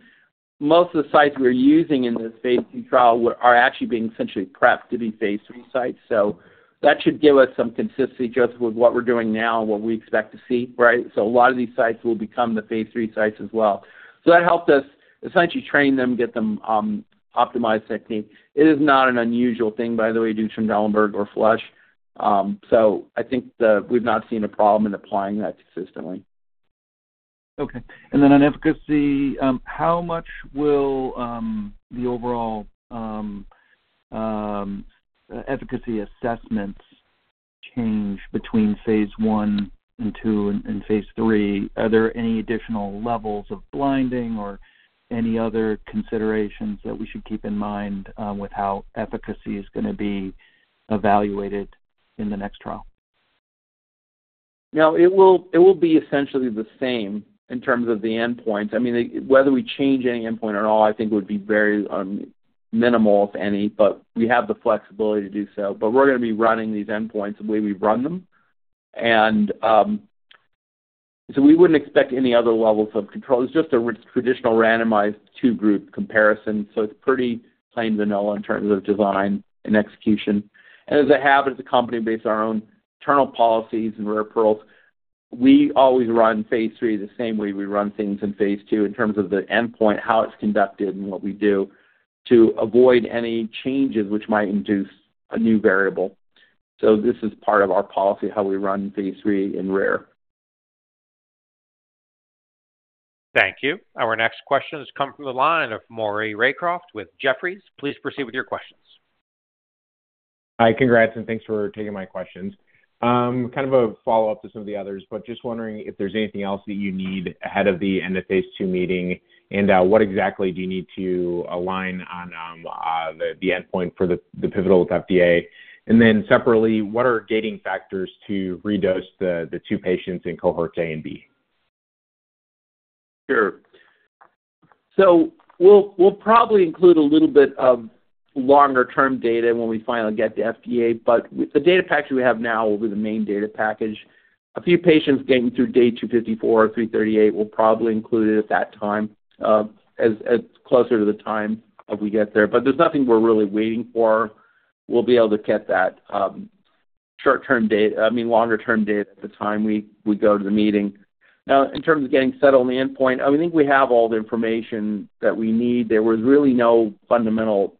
most of the sites we're using in this phase III trial are actually being essentially prepped to be phase III sites. So that should give us some consistency, Joseph, with what we're doing now and what we expect to see, right? So a lot of these sites will become the phase III sites as well. So that helped us essentially train them, get them optimized technique. It is not an unusual thing, by the way, to do Trendelenburg or flush. So I think we've not seen a problem in applying that consistently. Okay. Then on efficacy, how much will the overall efficacy assessments change between phase I and II and phase III? Are there any additional levels of blinding or any other considerations that we should keep in mind with how efficacy is going to be evaluated in the next trial? No. It will be essentially the same in terms of the endpoints. I mean, whether we change any endpoint or not, I think it would be very minimal, if any. But we have the flexibility to do so. But we're going to be running these endpoints the way we run them. And so we wouldn't expect any other levels of control. It's just a traditional randomized two-group comparison. So it's pretty plain vanilla in terms of design and execution. As a habit, as a company based on our own internal policies and RARE pearls, we always run phase III the same way we run things in phase II in terms of the endpoint, how it's conducted, and what we do to avoid any changes which might induce a new variable. This is part of our policy, how we run phase III in RARE. Thank you. Our next questions come from the line of Maury Raycroft with Jefferies. Please proceed with your questions. Hi. Congrats. Thanks for taking my questions. Kind of a follow-up to some of the others. Just wondering if there's anything else that you need ahead of the end of phase II meeting. And what exactly do you need to align on the endpoint for the pivotal with FDA? And then separately, what are gating factors to redose the two patients in cohorts A and B? Sure. So we'll probably include a little bit of longer-term data when we finally get the FDA. But the data package we have now will be the main data package. A few patients getting through day 254 or 338 will probably include it at that time as closer to the time that we get there. But there's nothing we're really waiting for. We'll be able to get that short-term data I mean, longer-term data at the time we go to the meeting. Now, in terms of getting settled on the endpoint, I mean, I think we have all the information that we need. There was really no fundamental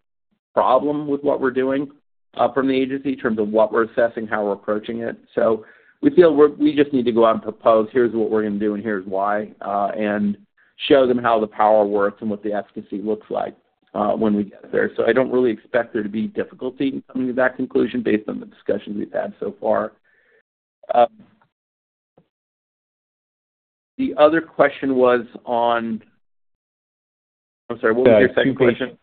problem with what we're doing from the agency in terms of what we're assessing, how we're approaching it. So we feel we just need to go out and propose, "Here's what we're going to do. And here's why," and show them how the power works and what the efficacy looks like when we get there. So I don't really expect there to be difficulty in coming to that conclusion based on the discussions we've had so far. The other question was on. I'm sorry. What was your second question?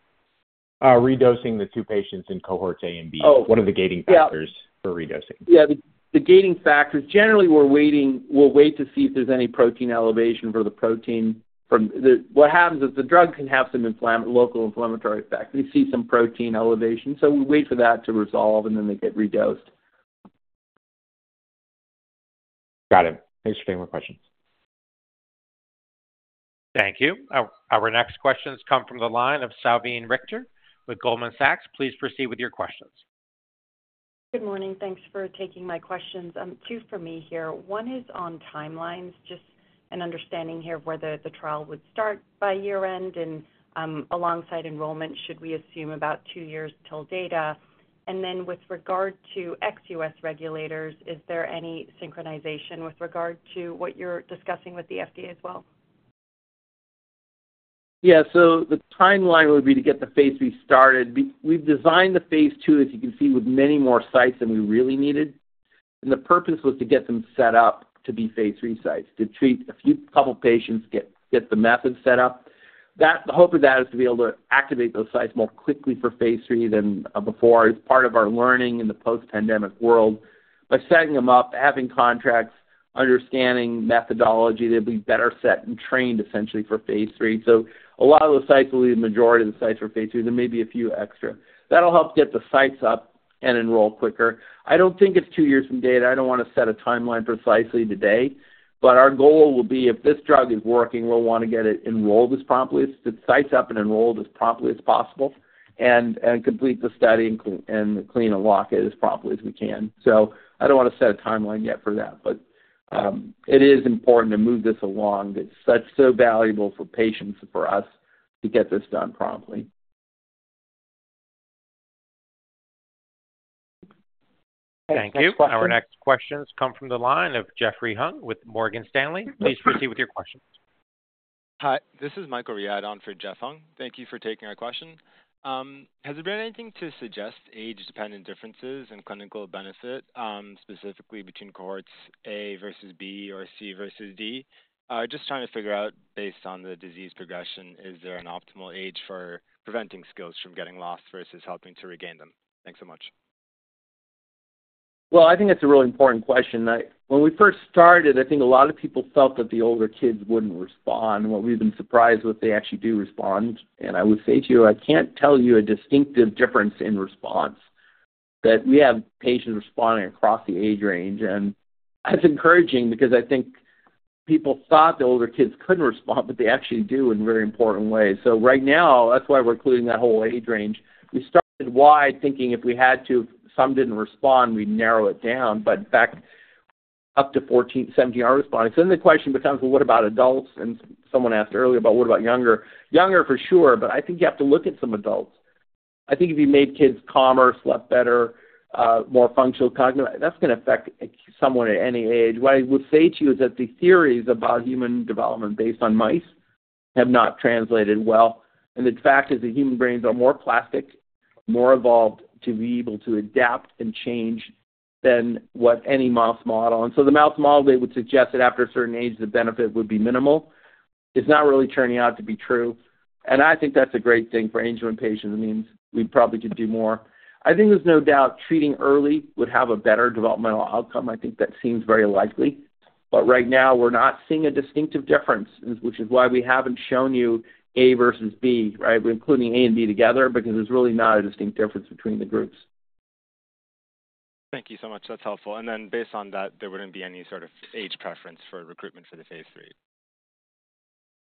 Redosing the two patients in cohorts A and B. What are the gating factors for redosing? Yeah. The gating factors, generally, we'll wait to see if there's any protein elevation for the protein from what happens is the drug can have some local inflammatory effect. We see some protein elevation. So we wait for that to resolve. And then they get redosed. Got it. Thanks for taking my questions. Thank you. Our next questions come from the line of Salveen Richter with Goldman Sachs. Please proceed with your questions. Good morning. Thanks for taking my questions. Two for me here. One is on timelines, just an understanding here of whether the trial would start by year-end. And alongside enrollment, should we assume about two years till data? And then with regard to ex-U.S. regulators, is there any synchronization with regard to what you're discussing with the FDA as well? Yeah. So the timeline would be to get the phase III started. We've designed the phase II, as you can see, with many more sites than we really needed. The purpose was to get them set up to be phase III sites, to treat a couple of patients, get the method set up. The hope of that is to be able to activate those sites more quickly for phase III than before. It's part of our learning in the post-pandemic world. By setting them up, having contracts, understanding methodology, they'd be better set and trained essentially for phase III. So a lot of those sites will be the majority of the sites for phase III. There may be a few extra. That'll help get the sites up and enroll quicker. I don't think it's two years from data. I don't want to set a timeline precisely today. But our goal will be, if this drug is working, we'll want to get it enrolled as promptly, get the sites up and enrolled as promptly as possible, and complete the study and clean and lock it as promptly as we can. So I don't want to set a timeline yet for that. But it is important to move this along. It's so valuable for patients and for us to get this done promptly. Thank you. Our next questions come from the line of Jeffrey Hung with Morgan Stanley. Please proceed with your questions. Hi. This is Michael Riad on for Jeff Hung. Thank you for taking our question. Has there been anything to suggest age-dependent differences in clinical benefit, specifically between cohorts A versus B or C versus D? Just trying to figure out, based on the disease progression, is there an optimal age for preventing skills from getting lost versus helping to regain them? Thanks so much. Well, I think it's a really important question. When we first started, I think a lot of people felt that the older kids wouldn't respond. And what we've been surprised with, they actually do respond. And I will say to you, I can't tell you a distinctive difference in response. We have patients responding across the age range. And that's encouraging because I think people thought the older kids couldn't respond. But they actually do in very important ways. So right now, that's why we're including that whole age range. We started wide thinking if we had to, if some didn't respond, we'd narrow it down. But in fact, up to 14, 17 are responding. So then the question becomes, "Well, what about adults?" And someone asked earlier about, "What about younger?" Younger, for sure. But I think you have to look at some adults. I think if you made kids calmer, slept better, more functional, cognitive, that's going to affect someone at any age. What I will say to you is that the theories about human development based on mice have not translated well. And the fact is that human brains are more plastic, more evolved to be able to adapt and change than what any mouse model. And so the mouse model, they would suggest that after a certain age, the benefit would be minimal. It's not really turning out to be true. And I think that's a great thing for Angelman patients. It means we probably could do more. I think there's no doubt treating early would have a better developmental outcome. I think that seems very likely. But right now, we're not seeing a distinctive difference, which is why we haven't shown you A versus B, right, including A and B together because there's really not a distinct difference between the groups. Thank you so much. That's helpful. And then based on that, there wouldn't be any sort of age preference for recruitment for the phase III?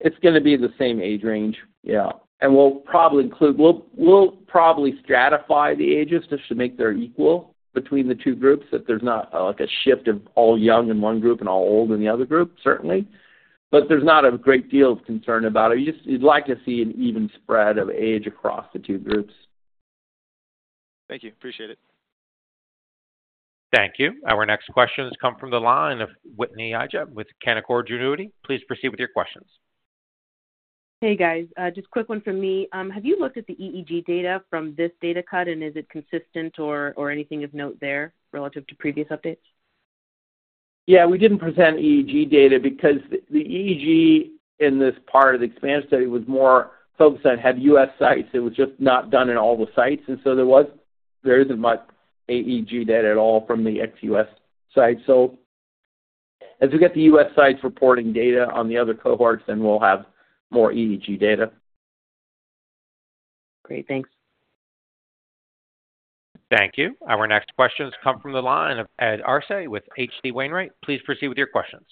It's going to be the same age range. Yeah. And we'll probably stratify the ages just to make sure they're equal between the two groups, that there's not a shift of all young in one group and all old in the other group, certainly. But there's not a great deal of concern about it. You'd like to see an even spread of age across the two groups. Thank you. Appreciate it. Thank you. Our next questions come from the line of Whitney Ijem with Canaccord Genuity. Please proceed with your questions. Hey, guys. Just quick one from me. Have you looked at the EEG data from this data cut? And is it consistent or anything of note there relative to previous updates? Yeah. We didn't present EEG data because the EEG in this part of the expansion study was more focused on, "Have U.S. sites?" It was just not done in all the sites. And so there isn't much EEG data at all from the ex-U.S. sites. So as we get the U.S. sites reporting data on the other cohorts, then we'll have more EEG data. Great. Thanks. Thank you. Our next questions come from the line of Ed Arce with H.C. Wainwright. Please proceed with your questions.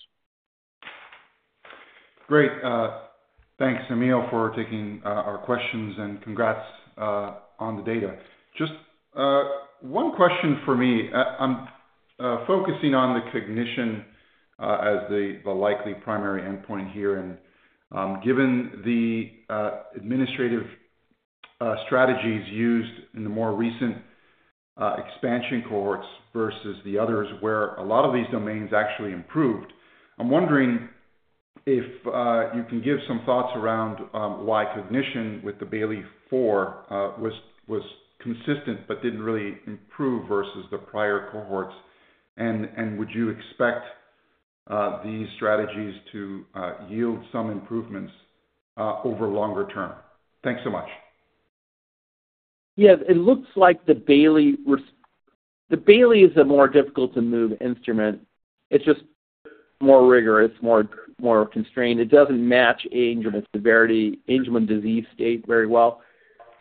Great. Thanks, Emil, for taking our questions. And congrats on the data. Just one question for me. I'm focusing on the cognition as the likely primary endpoint here. And given the administrative strategies used in the more recent expansion cohorts versus the others, where a lot of these domains actually improved, I'm wondering if you can give some thoughts around why cognition with the Bayley-4 was consistent but didn't really improve versus the prior cohorts. And would you expect these strategies to yield some improvements over longer term? Thanks so much. Yeah. It looks like the Bayley-4 is a more difficult-to-move instrument. It's just more rigorous. It's more constrained. It doesn't match Angelman severity, Angelman disease state very well.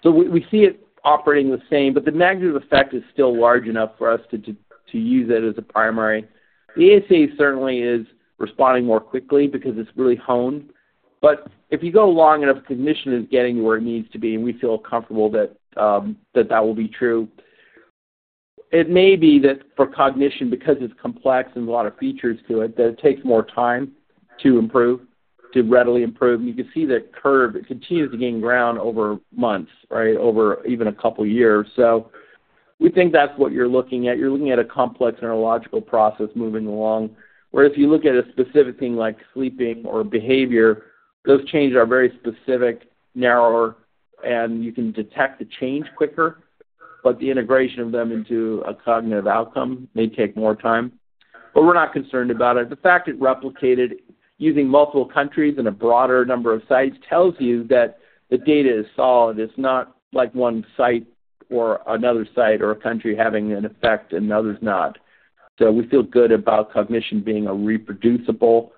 So we see it operating the same. But the magnitude of effect is still large enough for us to use it as a primary. The ASA certainly is responding more quickly because it's really honed. But if you go long enough, cognition is getting to where it needs to be. And we feel comfortable that that will be true. It may be that for cognition, because it's complex and there's a lot of features to it, that it takes more time to improve, to readily improve. And you can see that curve. It continues to gain ground over months, right, over even a couple of years. So we think that's what you're looking at. You're looking at a complex neurological process moving along. Whereas if you look at a specific thing like sleeping or behavior, those changes are very specific, narrower. And you can detect the change quicker. But the integration of them into a cognitive outcome. They take more time. But we're not concerned about it. The fact it replicated using multiple countries and a broader number of sites tells you that the data is solid. It's not like one site or another site or a country having an effect and the others not. So we feel good about cognition being a reproducible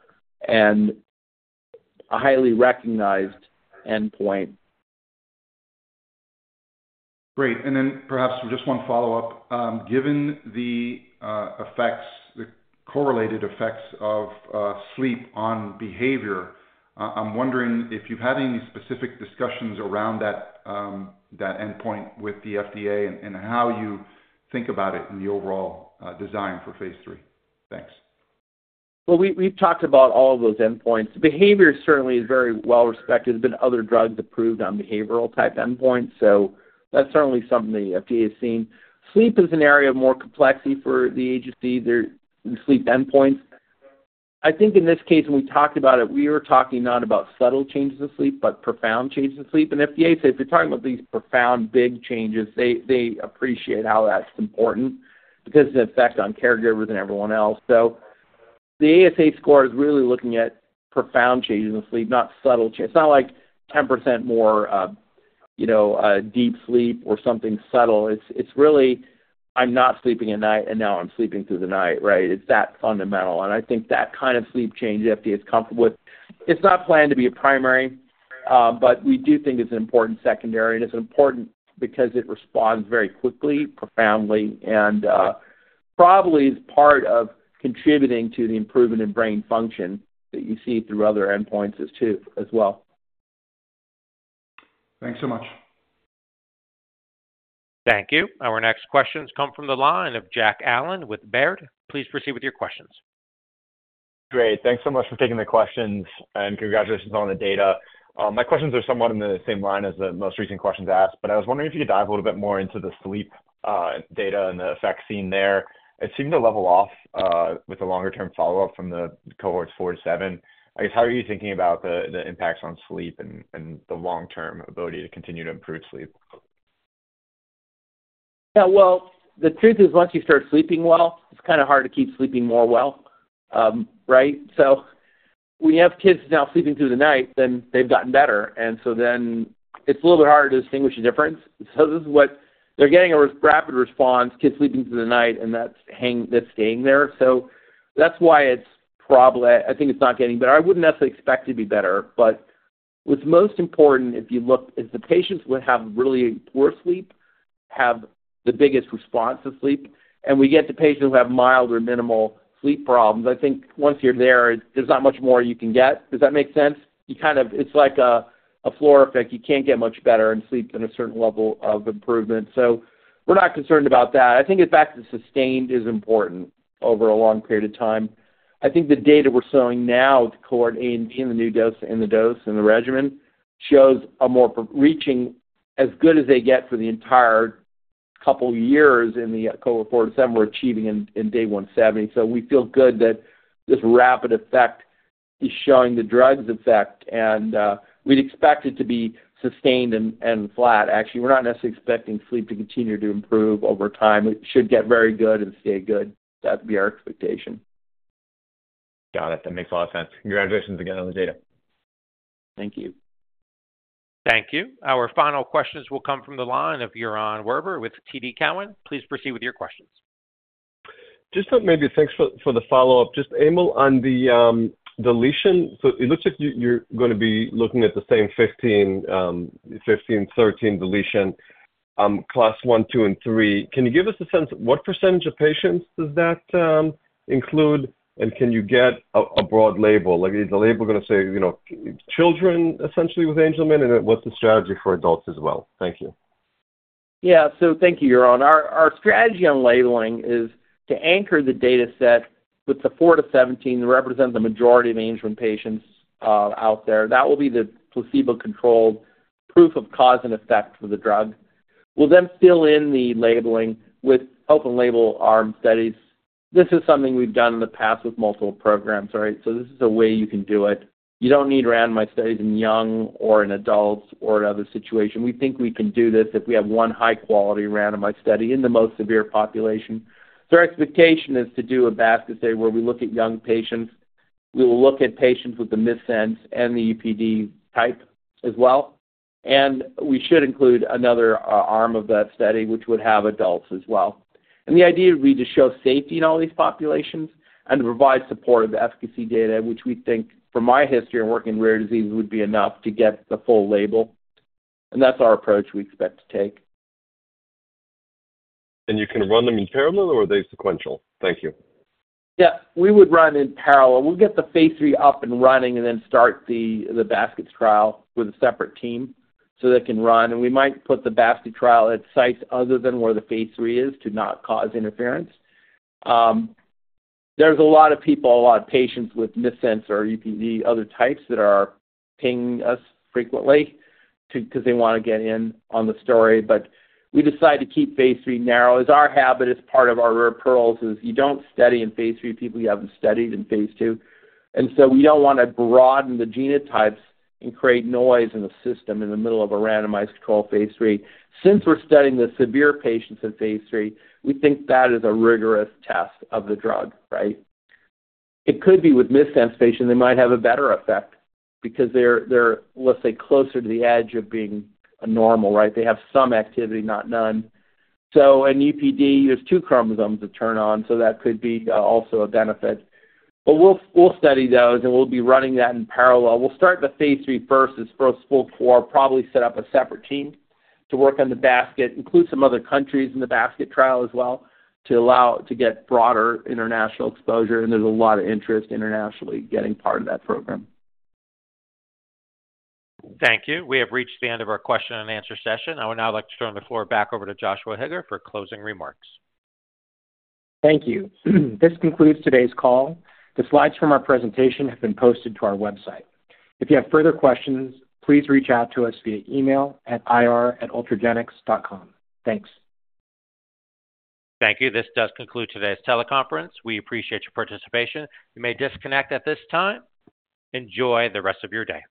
and a highly recognized endpoint. Great. And then perhaps just one follow-up. Given the correlated effects of sleep on behavior, I'm wondering if you've had any specific discussions around that endpoint with the FDA and how you think about it in the overall design for phase III. Thanks. Well, we've talked about all of those endpoints. Behavior certainly is very well respected. There've been other drugs approved on behavioral-type endpoints. So that's certainly something the FDA has seen. Sleep is an area of more complexity for the agency in sleep endpoints. I think in this case, when we talked about it, we were talking not about subtle changes in sleep but profound changes in sleep. And FDA says, "If you're talking about these profound, big changes, they appreciate how that's important because it's an effect on caregivers and everyone else." So the ASA score is really looking at profound changes in sleep, not subtle changes. It's not like 10% more deep sleep or something subtle. It's really, "I'm not sleeping at night. And now I'm sleeping through the night," right? It's that fundamental. And I think that kind of sleep change the FDA is comfortable with. It's not planned to be a primary. But we do think it's an important secondary. And it's important because it responds very quickly, profoundly, and probably is part of contributing to the improvement in brain function that you see through other endpoints as well. Thanks so much. Thank you. Our next questions come from the line of Jack Allen with Baird. Please proceed with your questions. Great. Thanks so much for taking the questions. Congratulations on the data. My questions are somewhat in the same line as the most recent questions asked. I was wondering if you could dive a little bit more into the sleep data and the effect seen there. It seemed to level off with a longer-term follow-up from the cohorts four to seven. I guess, how are you thinking about the impacts on sleep and the long-term ability to continue to improve sleep? Yeah. Well, the truth is, once you start sleeping well, it's kind of hard to keep sleeping more well, right? So when you have kids now sleeping through the night, then they've gotten better. And so then it's a little bit harder to distinguish the difference. So they're getting a rapid response, kids sleeping through the night. And that's staying there. So that's why it's, I think, it's not getting better. I wouldn't necessarily expect it to be better. But what's most important, if you look, is the patients who have really poor sleep have the biggest response to sleep. And we get to patients who have mild or minimal sleep problems. I think once you're there, there's not much more you can get. Does that make sense? It's like a floor effect. You can't get much better in sleep than a certain level of improvement. So we're not concerned about that. I think it's back to sustained is important over a long period of time. I think the data we're showing now, the cohort A and B and the new dose and the regimen, shows a more reaching as good as they get for the entire couple of years in the cohort four to seven, we're achieving in day 170. So we feel good that this rapid effect is showing the drug's effect. And we'd expect it to be sustained and flat. Actually, we're not necessarily expecting sleep to continue to improve over time. It should get very good and stay good. That'd be our expectation. Got it. That makes a lot of sense. Congratulations again on the data. Thank you. Thank you. Our final questions will come from the line of Yaron Werber with TD Cowen. Please proceed with your questions. Just maybe thanks for the follow-up. Just, Emil, on the deletion, so it looks like you're going to be looking at the same 15q11-q13 deletion class I, II, and III. Can you give us a sense of what percentage of patients does that include? And can you get a broad label? Is the label going to say children, essentially, with Angelman? And what's the strategy for adults as well? Thank you. Yeah. So thank you, Yaron. Our strategy on labeling is to anchor the data set with the 15q11-q13 that represent the majority of Angelman patients out there. That will be the placebo-controlled proof of cause and effect for the drug. We'll then fill in the labeling with open-label arm studies. This is something we've done in the past with multiple programs, right? So this is a way you can do it. You don't need randomized studies in young or in adults or in other situations. We think we can do this if we have one high-quality randomized study in the most severe population. Our expectation is to do a basket study where we look at young patients. We will look at patients with the missense and the UPD type as well. We should include another arm of that study, which would have adults as well. The idea would be to show safety in all these populations and to provide support of the efficacy data, which we think, from my history and working in rare diseases, would be enough to get the full label. That's our approach we expect to take. You can run them in parallel? Or are they sequential? Thank you. Yeah. We would run in parallel. We'll get the phase III up and running and then start the basket trial with a separate team so they can run. We might put the basket trial at sites other than where the phase III is to not cause interference. There's a lot of people, a lot of patients with missense or EPD, other types that are pinging us frequently because they want to get in on the story. But we decide to keep phase III narrow. It's our habit. It's part of our RARE pearls. You don't study in phase III people you haven't studied in phase II. And so we don't want to broaden the genotypes and create noise in the system in the middle of a randomized-controlled phase III. Since we're studying the severe patients in phase III, we think that is a rigorous test of the drug, right? It could be with missense patients. They might have a better effect because they're, let's say, closer to the edge of being a normal, right? They have some activity, not none. So in EPD, there's two chromosomes that turn on. So that could be also a benefit. But we'll study those. And we'll be running that in parallel. We'll start the phase three first as first full core, probably set up a separate team to work on the basket, include some other countries in the basket trial as well to get broader international exposure. And there's a lot of interest internationally getting part of that program. Thank you. We have reached the end of our question-and-answer session. I would now like to turn the floor back over to Joshua Higa for closing remarks. Thank you. This concludes today's call. The slides from our presentation have been posted to our website. If you have further questions, please reach out to us via email at ir@ultragenyx.com. Thanks. Thank you. This does conclude today's teleconference. We appreciate your participation. You may disconnect at this time. Enjoy the rest of your day.